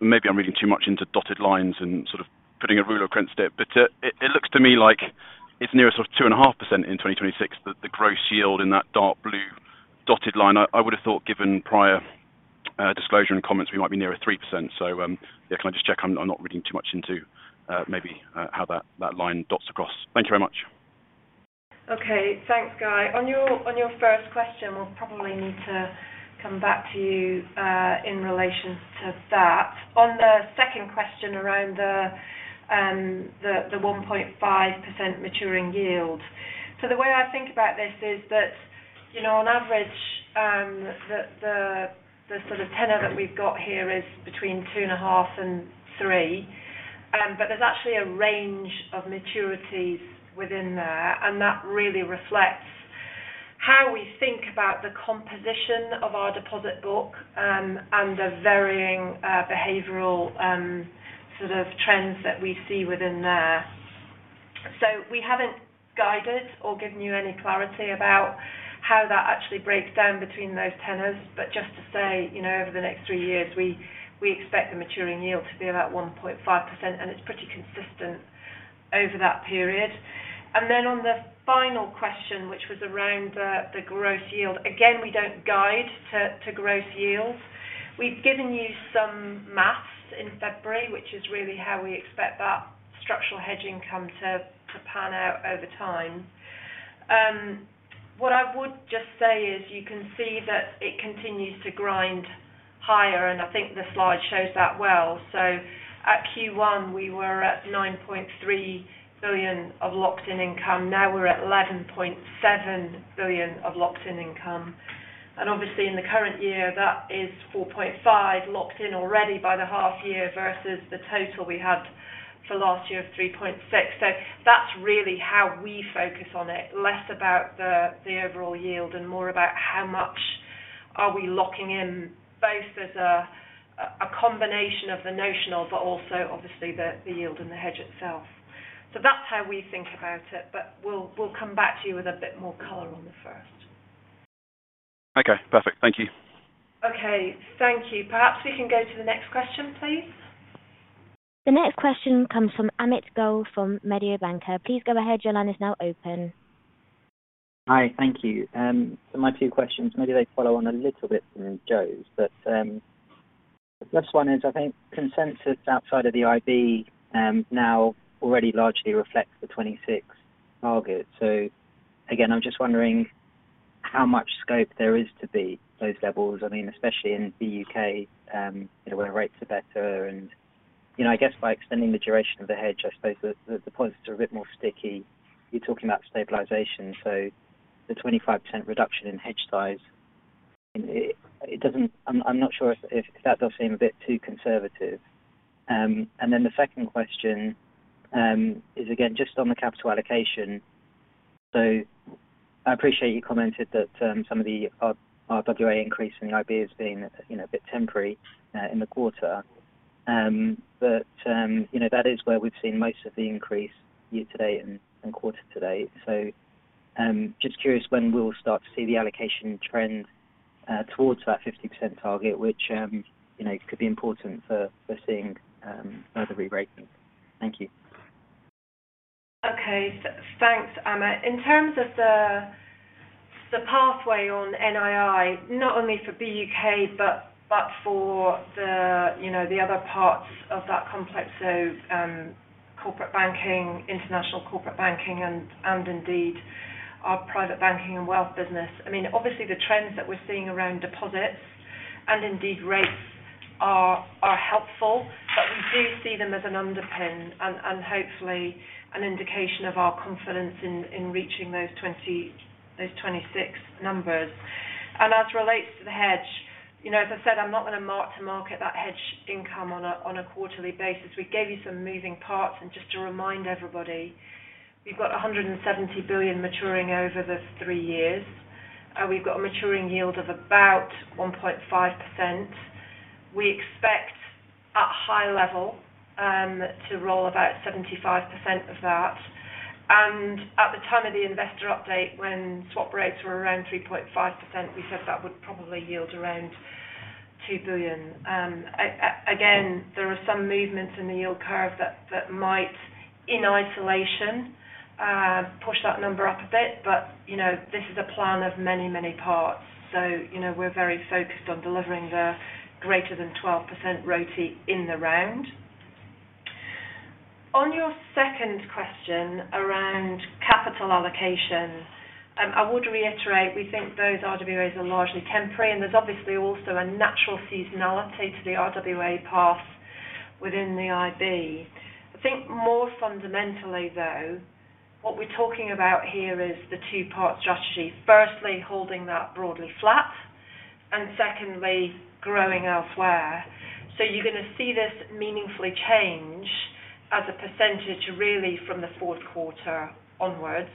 Maybe I'm reading too much into dotted lines and sort of putting a ruler across it. But it looks to me like it's nearer sort of 2.5% in 2026, the gross yield in that dark blue dotted line. I would have thought given prior disclosure and comments, we might be nearer 3%. So yeah, can I just check? I'm not reading too much into maybe how that line dots across. Thank you very much. Okay. Thanks, Guy. On your first question, we'll probably need to come back to you in relation to that. On the second question around the 1.5% maturing yield, so the way I think about this is that on average, the sort of tenor that we've got here is between 2.5 and 3. But there's actually a range of maturities within there, and that really reflects how we think about the composition of our deposit book and the varying behavioral sort of trends that we see within there. So we haven't guided or given you any clarity about how that actually breaks down between those tenors, but just to say over the next 3 years, we expect the maturing yield to be about 1.5%, and it's pretty consistent over that period. And then on the final question, which was around the gross yield, again, we don't guide to gross yield. We've given you some math in February, which is really how we expect that structural hedge income to pan out over time. What I would just say is you can see that it continues to grind higher, and I think the slide shows that well. So at Q1, we were at 9.3 billion of locked-in income. Now we're at 11.7 billion of locked-in income. And obviously, in the current year, that is 4.5 billion locked-in already by the half year versus the total we had for last year of 3.6 billion. So that's really how we focus on it, less about the overall yield and more about how much are we locking in both as a combination of the notional, but also obviously the yield and the hedge itself. So that's how we think about it, but we'll come back to you with a bit more color on the first. Okay. Perfect. Thank you. Okay. Thank you. Perhaps we can go to the next question, please. The next question comes from Amit Goel from Mediobanca. Please go ahead. Your line is now open. Hi. Thank you. So my two questions, maybe they follow on a little bit from Joe's, but the first one is I think consensus outside of the IB now already largely reflects the 2026 target. So again, I'm just wondering how much scope there is to be those levels, I mean, especially in the UK where rates are better. And I guess by extending the duration of the hedge, I suppose the points are a bit more sticky. You're talking about stabilization. So the 25% reduction in hedge size, I'm not sure if that does seem a bit too conservative. And then the second question is again just on the capital allocation. So I appreciate you commented that some of the RWA increase in the IB has been a bit temporary in the quarter, but that is where we've seen most of the increase year to date and quarter to date. So just curious when we'll start to see the allocation trend towards that 50% target, which could be important for seeing further re-rating. Thank you. Okay. Thanks, Amit. In terms of the pathway on NII, not only for BUK, but for the other parts of that complex, so corporate banking, international corporate banking, and indeed our private banking and wealth business. I mean, obviously, the trends that we're seeing around deposits and indeed rates are helpful, but we do see them as an underpin and hopefully an indication of our confidence in reaching those 26 numbers. As it relates to the hedge, as I said, I'm not going to mark to market that hedge income on a quarterly basis. We gave you some moving parts. Just to remind everybody, we've got 170 billion maturing over the three years. We've got a maturing yield of about 1.5%. We expect at high level to roll about 75% of that. And at the time of the investor update, when swap rates were around 3.5%, we said that would probably yield around 2 billion. Again, there are some movements in the yield curve that might in isolation push that number up a bit, but this is a plan of many, many parts. We're very focused on delivering the greater than 12% ROTE in the round. On your second question around capital allocation, I would reiterate we think those RWAs are largely temporary, and there's obviously also a natural seasonality to the RWA path within the IB. I think more fundamentally, though, what we're talking about here is the two-part strategy. Firstly, holding that broadly flat, and secondly, growing elsewhere. So you're going to see this meaningfully change as a percentage really from the Q4 onwards.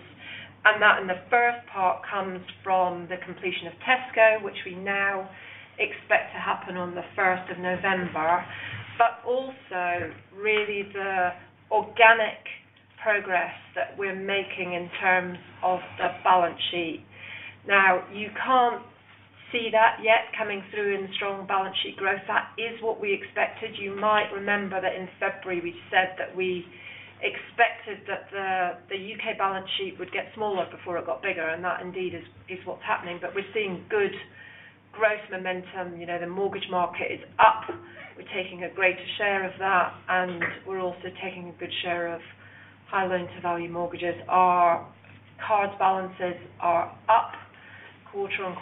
And that in the first part comes from the completion of Tesco, which we now expect to happen on the 1st of November, but also really the organic progress that we're making in terms of the balance sheet. Now, you can't see that yet coming through in strong balance sheet growth. That is what we expected. You might remember that in February we said that we expected that the UK balance sheet would get smaller before it got bigger, and that indeed is what's happening. But we're seeing good growth momentum. The mortgage market is up. We're taking a greater share of that, and we're also taking a good share of high loan-to-value mortgages. Our card balances are up quarter on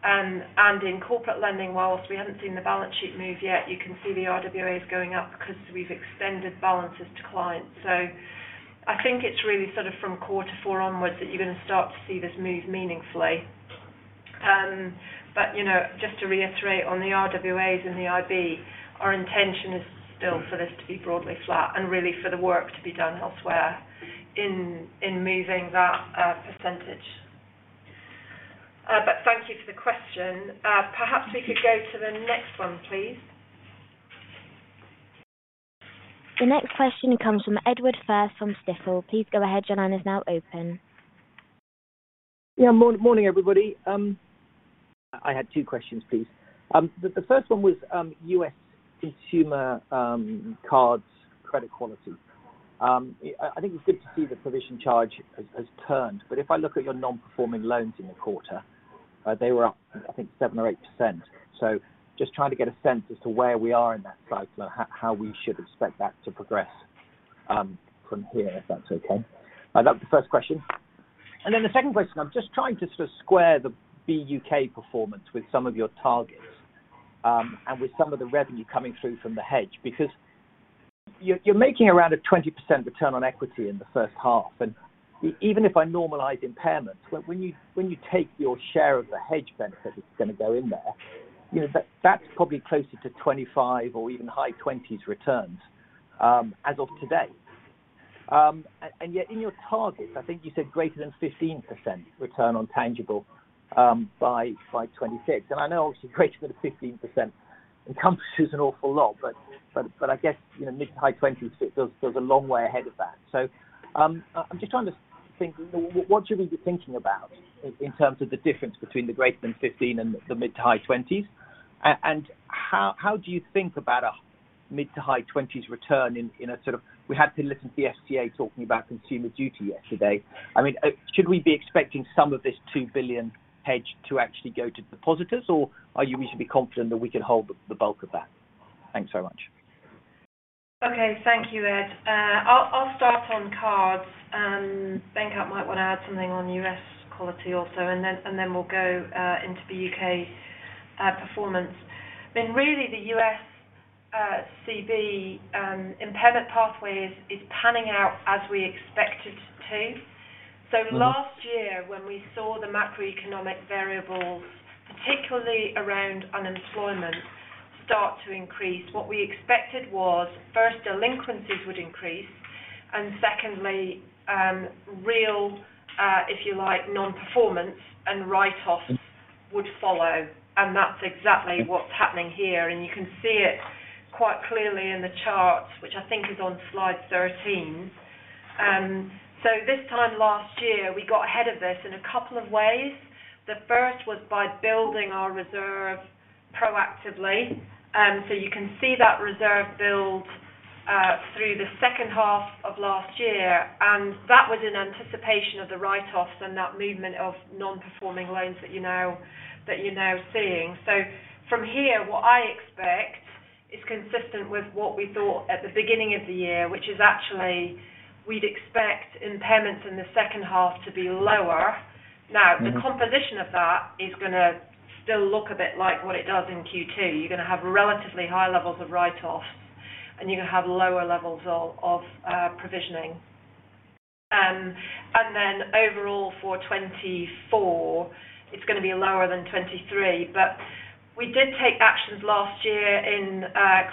quarter. And in corporate lending, whilst we haven't seen the balance sheet move yet, you can see the RWAs going up because we've extended balances to clients. So I think it's really sort of from quarter four onwards that you're going to start to see this move meaningfully. But just to reiterate on the RWAs and the IB, our intention is still for this to be broadly flat and really for the work to be done elsewhere in moving that percentage. But thank you for the question. Perhaps we could go to the next one, please. The next question comes from Edward Firth from Stifel. Please go ahead. Your line is now open. Yeah. Morning, everybody. I had two questions, please. The first one was US consumer cards credit quality. I think it's good to see the provision charge has turned. But if I look at your non-performing loans in the quarter, they were up, I think, 7%-8%. So just trying to get a sense as to where we are in that cycle and how we should expect that to progress from here, if that's okay. That was the first question. Then the second question, I'm just trying to sort of square the BUK performance with some of your targets and with some of the revenue coming through from the hedge because you're making around a 20% return on equity in the first half. Even if I normalize impairments, when you take your share of the hedge benefit that's going to go in there, that's probably closer to 25 or even high 20s returns as of today. Yet in your targets, I think you said greater than 15% return on tangible by 2026. I know obviously greater than 15% encompasses an awful lot, but I guess mid to high 20s, there's a long way ahead of that. So I'm just trying to think, what should we be thinking about in terms of the difference between the greater than 15 and the mid to high 20s? How do you think about a mid- to high-20s return in a sort of we had to listen to the FCA talking about Consumer Duty yesterday. I mean, should we be expecting some of this 2 billion hedge to actually go to depositors, or are you reasonably confident that we can hold the bulk of that? Thanks very much. Okay. Thank you, Ed. I'll start on cards. Venkat might want to add something on US quality also, and then we'll go into the UK performance. I mean, really, the US CB impairment pathway is panning out as we expected to. So last year, when we saw the macroeconomic variables, particularly around unemployment, start to increase, what we expected was first, delinquencies would increase, and secondly, real, if you like, non-performance and write-offs would follow. And that's exactly what's happening here. You can see it quite clearly in the chart, which I think is on slide 13. So this time last year, we got ahead of this in a couple of ways. The first was by building our reserve proactively. So you can see that reserve build through the second half of last year. And that was in anticipation of the write-offs and that movement of non-performing loans that you're now seeing. So from here, what I expect is consistent with what we thought at the beginning of the year, which is actually we'd expect impairments in the second half to be lower. Now, the composition of that is going to still look a bit like what it does in Q2. You're going to have relatively high levels of write-offs, and you're going to have lower levels of provisioning. Overall for 2024, it's going to be lower than 2023. But we did take actions last year in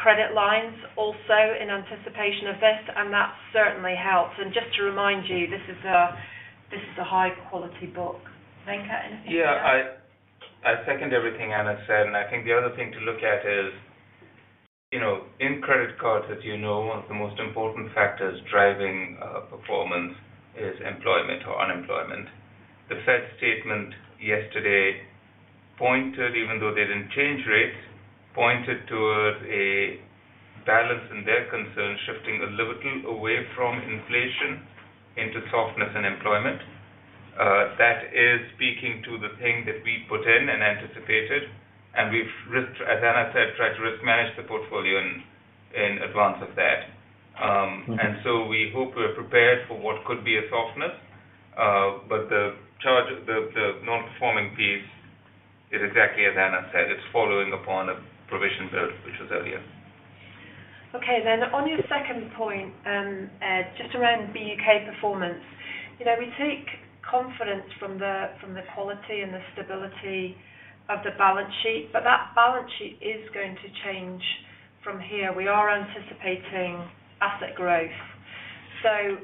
credit lines also in anticipation of this, and that certainly helps. Just to remind you, this is a high-quality book. Venkat, anything to add? Yeah. I second everything Anna said. I think the other thing to look at is in credit cards, as you know, one of the most important factors driving performance is employment or unemployment. The Fed statement yesterday, even though they didn't change rates, pointed towards a balance in their concern shifting a little away from inflation into softness in employment. That is speaking to the thing that we put in and anticipated. We, as Anna said, tried to risk-manage the portfolio in advance of that. So we hope we're prepared for what could be a softness. But the non-performing piece is exactly as Anna said. It's following upon a provision build, which was earlier. Okay. Then on your second point, Ed, just around BUK performance, we take confidence from the quality and the stability of the balance sheet, but that balance sheet is going to change from here. We are anticipating asset growth. So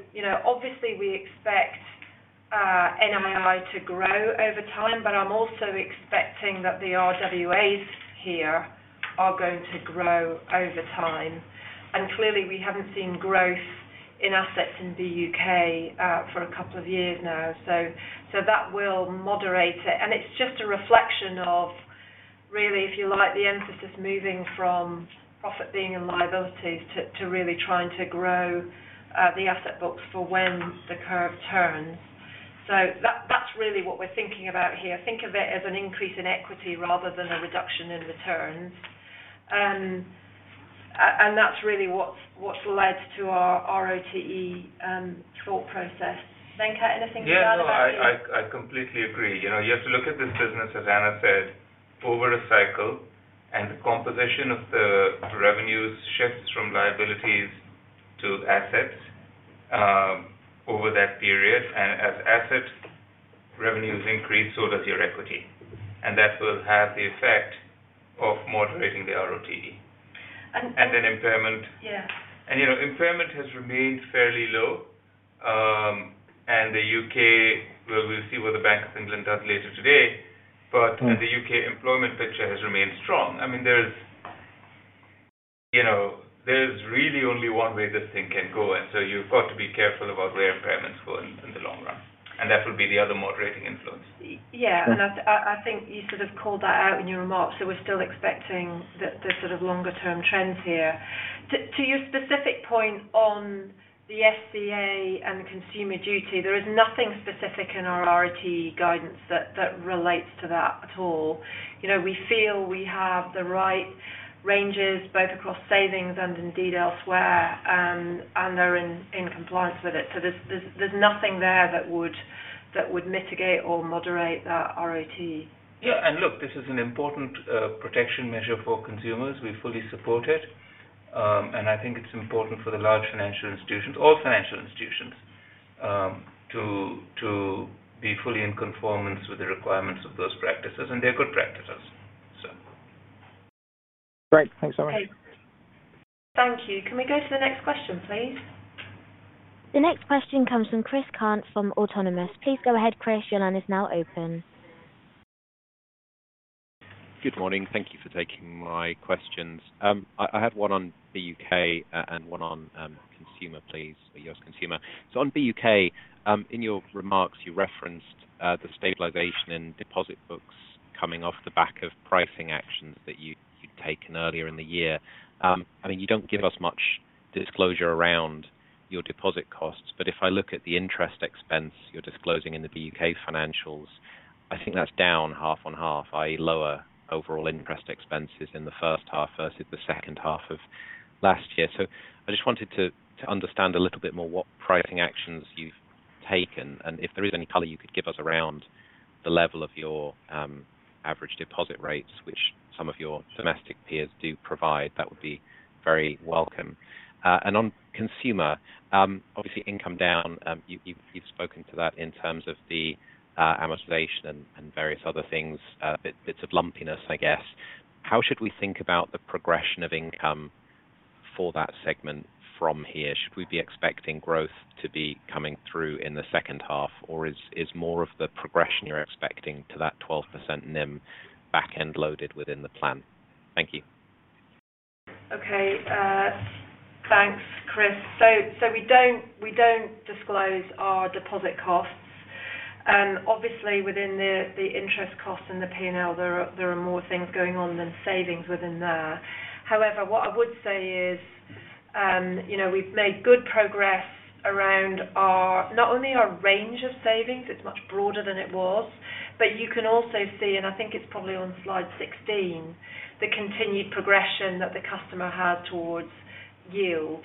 obviously, we expect NII to grow over time, but I'm also expecting that the RWAs here are going to grow over time. And clearly, we haven't seen growth in assets in BUK for a couple of years now. So that will moderate it. And it's just a reflection of really, if you like, the emphasis moving from profit being in liabilities to really trying to grow the asset books for when the curve turns. So that's really what we're thinking about here. Think of it as an increase in equity rather than a reduction in returns. That's really what's led to our ROTE thought process. Venkat, anything to add about this? Yeah. I completely agree. You have to look at this business, as Anna said, over a cycle, and the composition of the revenues shifts from liabilities to assets over that period. As asset revenues increase, so does your equity. That will have the effect of moderating the ROTE. Then impairment. Impairment has remained fairly low. The UK, we'll see what the Bank of England does later today. The UK employment picture has remained strong. I mean, there's really only one way this thing can go. You've got to be careful about where impairments go in the long run. That will be the other moderating influence. Yeah. I think you sort of called that out in your remarks. We're still expecting the sort of longer-term trends here. To your specific point on the FCA and Consumer Duty, there is nothing specific in our ROTE guidance that relates to that at all. We feel we have the right ranges both across savings and indeed elsewhere, and they're in compliance with it. There's nothing there that would mitigate or moderate that ROTE. Yeah. Look, this is an important protection measure for consumers. We fully support it. I think it's important for the large financial institutions, all financial institutions, to be fully in conformance with the requirements of those practices. They're good practices, so. Great. Thanks so much. Thank you. Can we go to the next question, please? The next question comes from Chris Cant from Autonomous Research. Please go ahead, Chris. Your line is now open. Good morning. Thank you for taking my questions. I had one on BUK and one on consumer plays, US consumer. So on BUK, in your remarks, you referenced the stabilization in deposit books coming off the back of pricing actions that you'd taken earlier in the year. I mean, you don't give us much disclosure around your deposit costs. But if I look at the interest expense you're disclosing in the BUK financials, I think that's down half on half, i.e., lower overall interest expenses in the first half versus the second half of last year. So I just wanted to understand a little bit more what pricing actions you've taken. And if there is any color you could give us around the level of your average deposit rates, which some of your domestic peers do provide, that would be very welcome. And on consumer, obviously, income down. You've spoken to that in terms of the amortization and various other things, bits of lumpiness, I guess. How should we think about the progression of income for that segment from here? Should we be expecting growth to be coming through in the second half, or is more of the progression you're expecting to that 12% NIM backend loaded within the plan? Thank you. Okay. Thanks, Chris. So we don't disclose our deposit costs. Obviously, within the interest costs and the P&L, there are more things going on than savings within there. However, what I would say is we've made good progress around not only our range of savings; it's much broader than it was. But you can also see, and I think it's probably on slide 16, the continued progression that the customer has towards yield.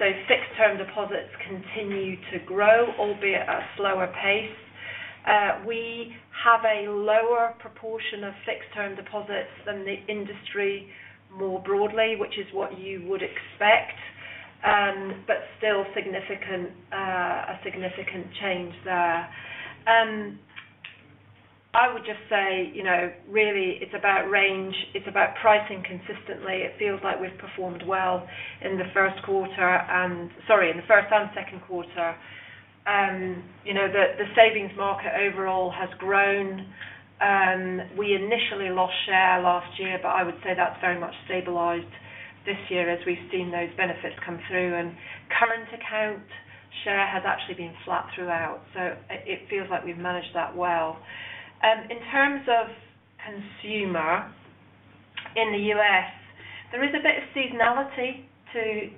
So fixed-term deposits continue to grow, albeit at a slower pace. We have a lower proportion of fixed-term deposits than the industry more broadly, which is what you would expect, but still a significant change there. I would just say, really, it's about range. It's about pricing consistently. It feels like we've performed well in the Q1 and, sorry, in the first and Q2. The savings market overall has grown. We initially lost share last year, but I would say that's very much stabilized this year as we've seen those benefits come through. And current account share has actually been flat throughout. So it feels like we've managed that well. In terms of consumer in the U.S., there is a bit of seasonality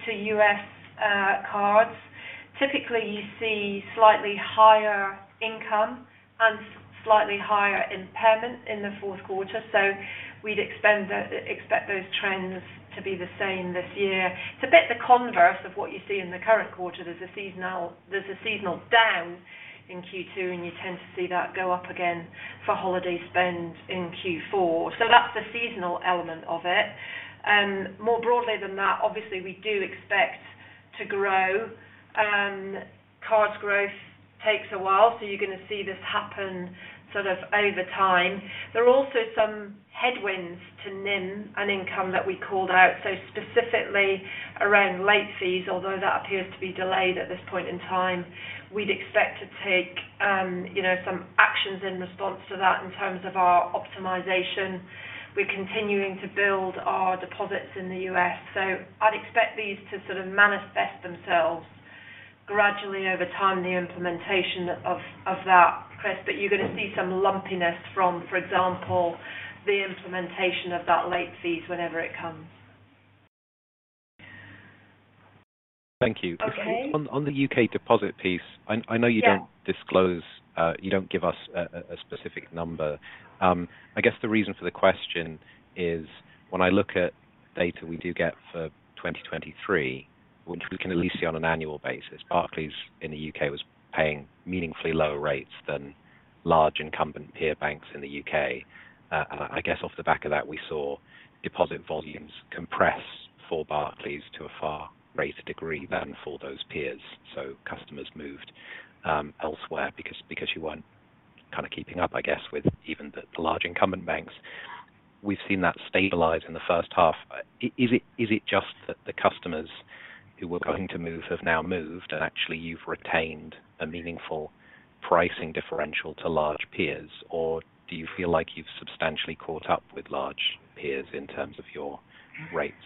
to U.S. cards. Typically, you see slightly higher income and slightly higher impairment in the Q4. So we'd expect those trends to be the same this year. It's a bit the converse of what you see in the current quarter. There's a seasonal down in Q2, and you tend to see that go up again for holiday spend in Q4. So that's the seasonal element of it. More broadly than that, obviously, we do expect to grow. Cards growth takes a while, so you're going to see this happen sort of over time. There are also some headwinds to NIM and income that we called out. So specifically around late fees, although that appears to be delayed at this point in time, we'd expect to take some actions in response to that in terms of our optimization. We're continuing to build our deposits in the U.S. So I'd expect these to sort of manifest themselves gradually over time, the implementation of that, Chris. But you're going to see some lumpiness from, for example, the implementation of that late fees whenever it comes. Thank you. Chris. On the U.K. deposit piece, I know you don't disclose; you don't give us a specific number. I guess the reason for the question is, when I look at data we do get for 2023, which we can at least see on an annual basis, Barclays in the U.K. was paying meaningfully lower rates than large incumbent peer banks in the U.K. I guess off the back of that, we saw deposit volumes compress for Barclays to a far greater degree than for those peers. So customers moved elsewhere because you weren't kind of keeping up, I guess, with even the large incumbent banks. We've seen that stabilize in the first half. Is it just that the customers who were going to move have now moved, and actually you've retained a meaningful pricing differential to large peers, or do you feel like you've substantially caught up with large peers in terms of your rates?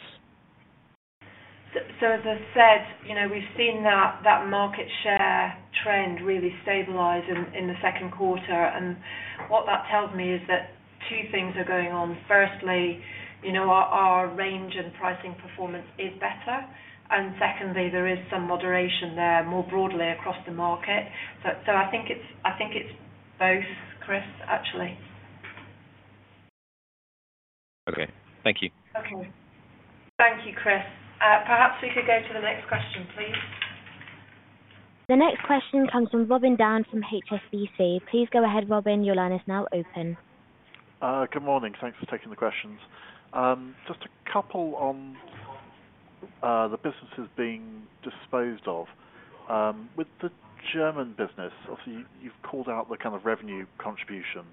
So as I said, we've seen that market share trend really stabilize in the Q2. And what that tells me is that two things are going on. Firstly, our range and pricing performance is better. And secondly, there is some moderation there more broadly across the market. So I think it's both, Chris, actually. Okay. Thank you. Okay. Thank you, Chris. Perhaps we could go to the next question, please. The next question comes from Robin Down from HSBC. Please go ahead, Robin. Your line is now open. Good morning. Thanks for taking the questions. Just a couple on the businesses being disposed of. With the German business, obviously, you've called out the kind of revenue contribution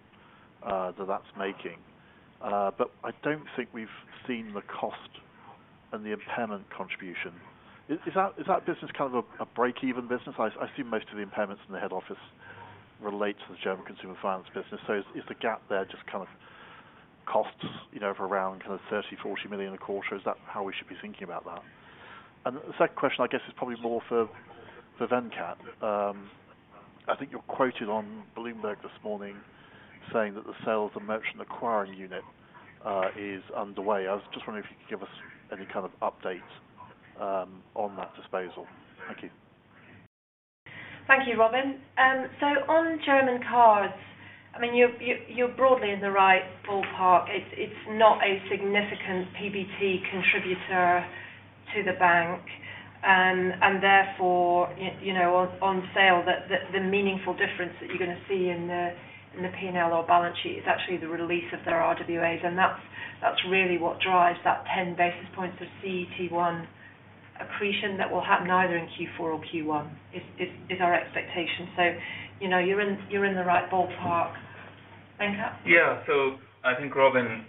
that that's making. But I don't think we've seen the cost and the impairment contribution. Is that business kind of a break-even business? I assume most of the impairments in the Head Office relate to the German consumer finance business. So is the gap there just kind of costs of around 30 million-40 million a quarter? Is that how we should be thinking about that? And the second question, I guess, is probably more for Venkat. I think you're quoted on Bloomberg this morning saying that the sales and merchant acquiring unit is underway. I was just wondering if you could give us any kind of update on that disposal. Thank you. Thank you, Robin. So on German cards, I mean, you're broadly in the right ballpark. It's not a significant PBT contributor to the bank. Therefore, on sale, the meaningful difference that you're going to see in the P&L or balance sheet is actually the release of their RWAs. And that's really what drives that 10 basis points of CET1 accretion that will happen either in Q4 or Q1 is our expectation. So you're in the right ballpark. Venkat? Yeah. So I think, Robin,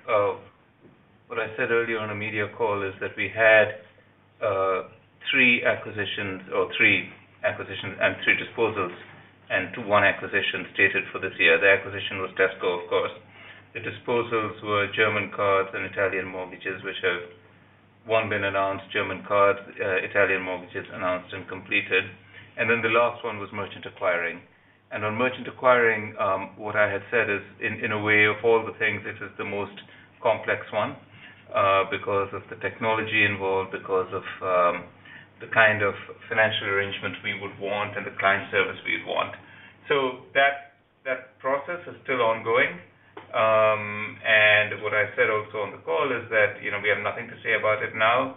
what I said earlier on a media call is that we had three acquisitions or three acquisitions and three disposals and one acquisition slated for this year. The acquisition was Tesco, of course. The disposals were German cards and Italian mortgages, which have now been announced, German cards, Italian mortgages announced and completed. And then the last one was merchant acquiring. On merchant acquiring, what I had said is, in a way, of all the things, this is the most complex one because of the technology involved, because of the kind of financial arrangement we would want and the client service we'd want. That process is still ongoing. What I said also on the call is that we have nothing to say about it now.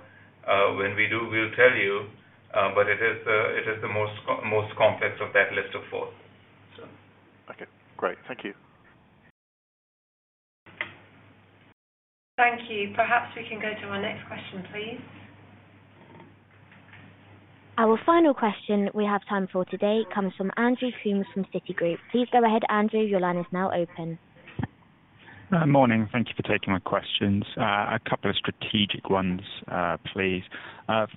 When we do, we'll tell you. It is the most complex of that list of four, so. Okay. Great. Thank you. Thank you. Perhaps we can go to our next question, please. Our final question we have time for today comes from Andrew Coombs from Citigroup. Please go ahead, Andrew. Your line is now open. Morning. Thank you for taking my questions. A couple of strategic ones, please.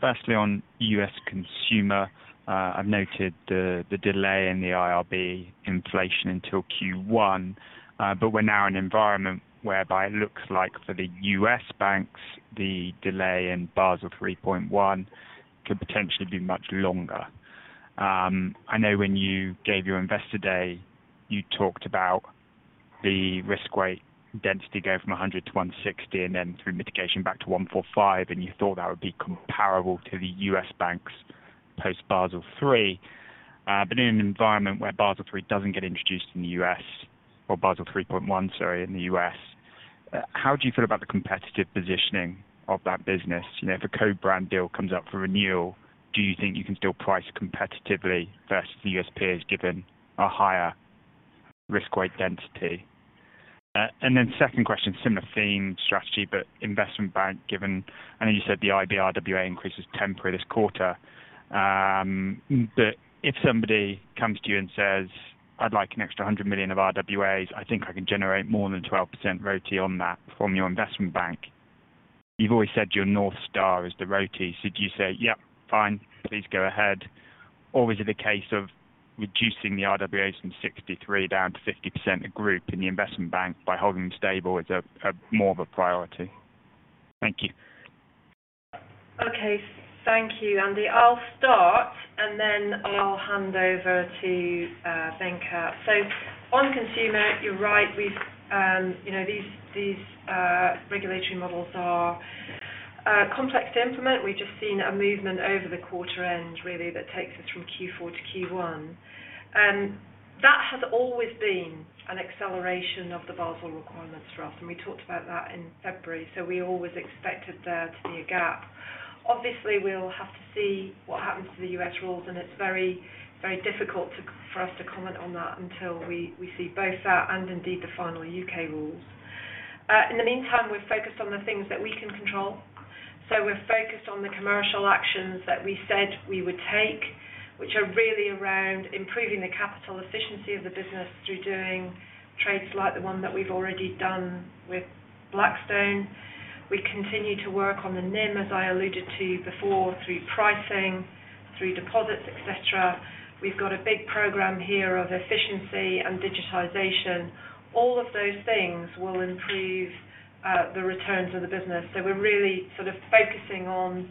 Firstly, on U.S. consumer, I've noted the delay in the IRB inflation until Q1. But we're now in an environment whereby it looks like for the U.S. banks, the delay in Basel 3.1 could potentially be much longer. I know when you gave your Investor Day, you talked about the risk weight density going from 100 to 160 and then through mitigation back to 145. And you thought that would be comparable to the U.S. banks post-Basel 3. But in an environment where Basel 3 doesn't get introduced in the U.S. or Basel 3.1, sorry, in the U.S., how do you feel about the competitive positioning of that business? If a co-brand deal comes up for renewal, do you think you can still price competitively versus the U.S. peers given a higher risk weight density? And then second question, similar theme strategy, but Investment Bank given, I know you said the IBRWA increase was temporary this quarter. But if somebody comes to you and says, "I'd like an extra 100 million of RWAs, I think I can generate more than 12% ROTE on that from your Investment Bank." You've always said your North Star is the ROTE. So do you say, "Yep, fine. Please go ahead"? Or is it a case of reducing the RWAs from 63% down to 50% at a group in the Investment Bank by holding them stable as more of a priority? Thank you. Okay. Thank you, Andy. I'll start, and then I'll hand over to Venkat. So on consumer, you're right. These regulatory models are complex to implement. We've just seen a movement over the quarter end, really, that takes us from Q4 to Q1. That has always been an acceleration of the Basel requirements for us. And we talked about that in February. So we always expected there to be a gap. Obviously, we'll have to see what happens to the US rules. And it's very difficult for us to comment on that until we see both that and indeed the final UK rules. In the meantime, we're focused on the things that we can control. So we're focused on the commercial actions that we said we would take, which are really around improving the capital efficiency of the business through doing trades like the one that we've already done with Blackstone. We continue to work on the NIM, as I alluded to before, through pricing, through deposits, etc. We've got a big program here of efficiency and digitization. All of those things will improve the returns of the business. So we're really sort of focusing on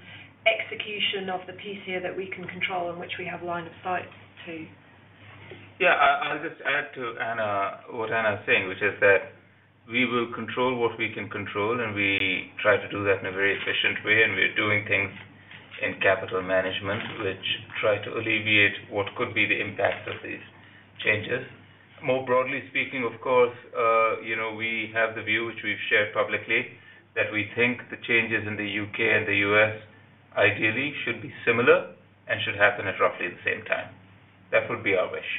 execution of the piece here that we can control and which we have line of sight to. Yeah. I'll just add to what Anna is saying, which is that we will control what we can control, and we try to do that in a very efficient way. We're doing things in capital management, which try to alleviate what could be the impacts of these changes. More broadly speaking, of course, we have the view, which we've shared publicly, that we think the changes in the UK and the US ideally should be similar and should happen at roughly the same time. That would be our wish.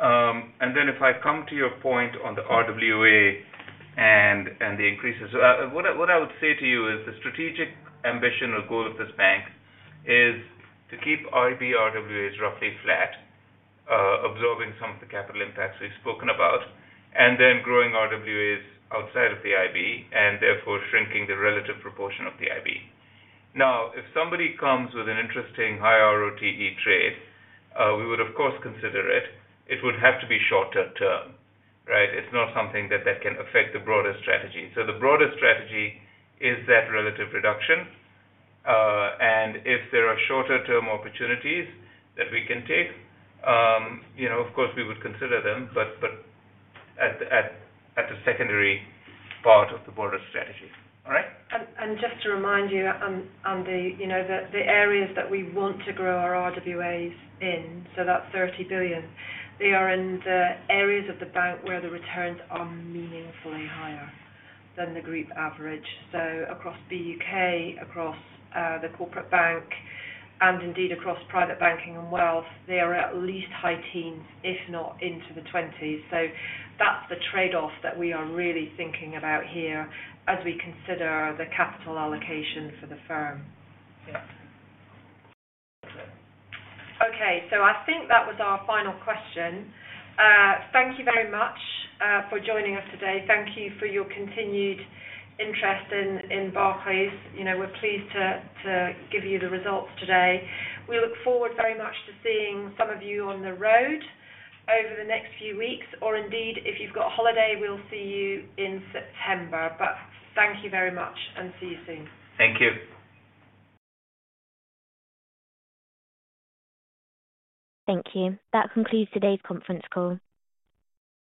And then if I come to your point on the RWA and the increases, what I would say to you is the strategic ambition or goal of this bank is to keep IB RWAs roughly flat, absorbing some of the capital impacts we've spoken about, and then growing RWAs outside of the IB and therefore shrinking the relative proportion of the IB. Now, if somebody comes with an interesting high ROTE trade, we would, of course, consider it. It would have to be shorter term, right? It's not something that can affect the broader strategy. So the broader strategy is that relative reduction. And if there are shorter-term opportunities that we can take, of course, we would consider them, but at the secondary part of the broader strategy. All right? Just to remind you, Andy, the areas that we want to grow our RWAs in, so that 30 billion, they are in the areas of the bank where the returns are meaningfully higher than the group average. So across BUK, across the corporate bank, and indeed across private banking and wealth, they are at least high teens, if not into the 20s. So that's the trade-off that we are really thinking about here as we consider the capital allocation for the firm. Okay. So I think that was our final question. Thank you very much for joining us today. Thank you for your continued interest in Barclays. We're pleased to give you the results today. We look forward very much to seeing some of you on the road over the next few weeks. Or indeed, if you've got a holiday, we'll see you in September. Thank you very much, and see you soon. Thank you. Thank you. That concludes today's conference call.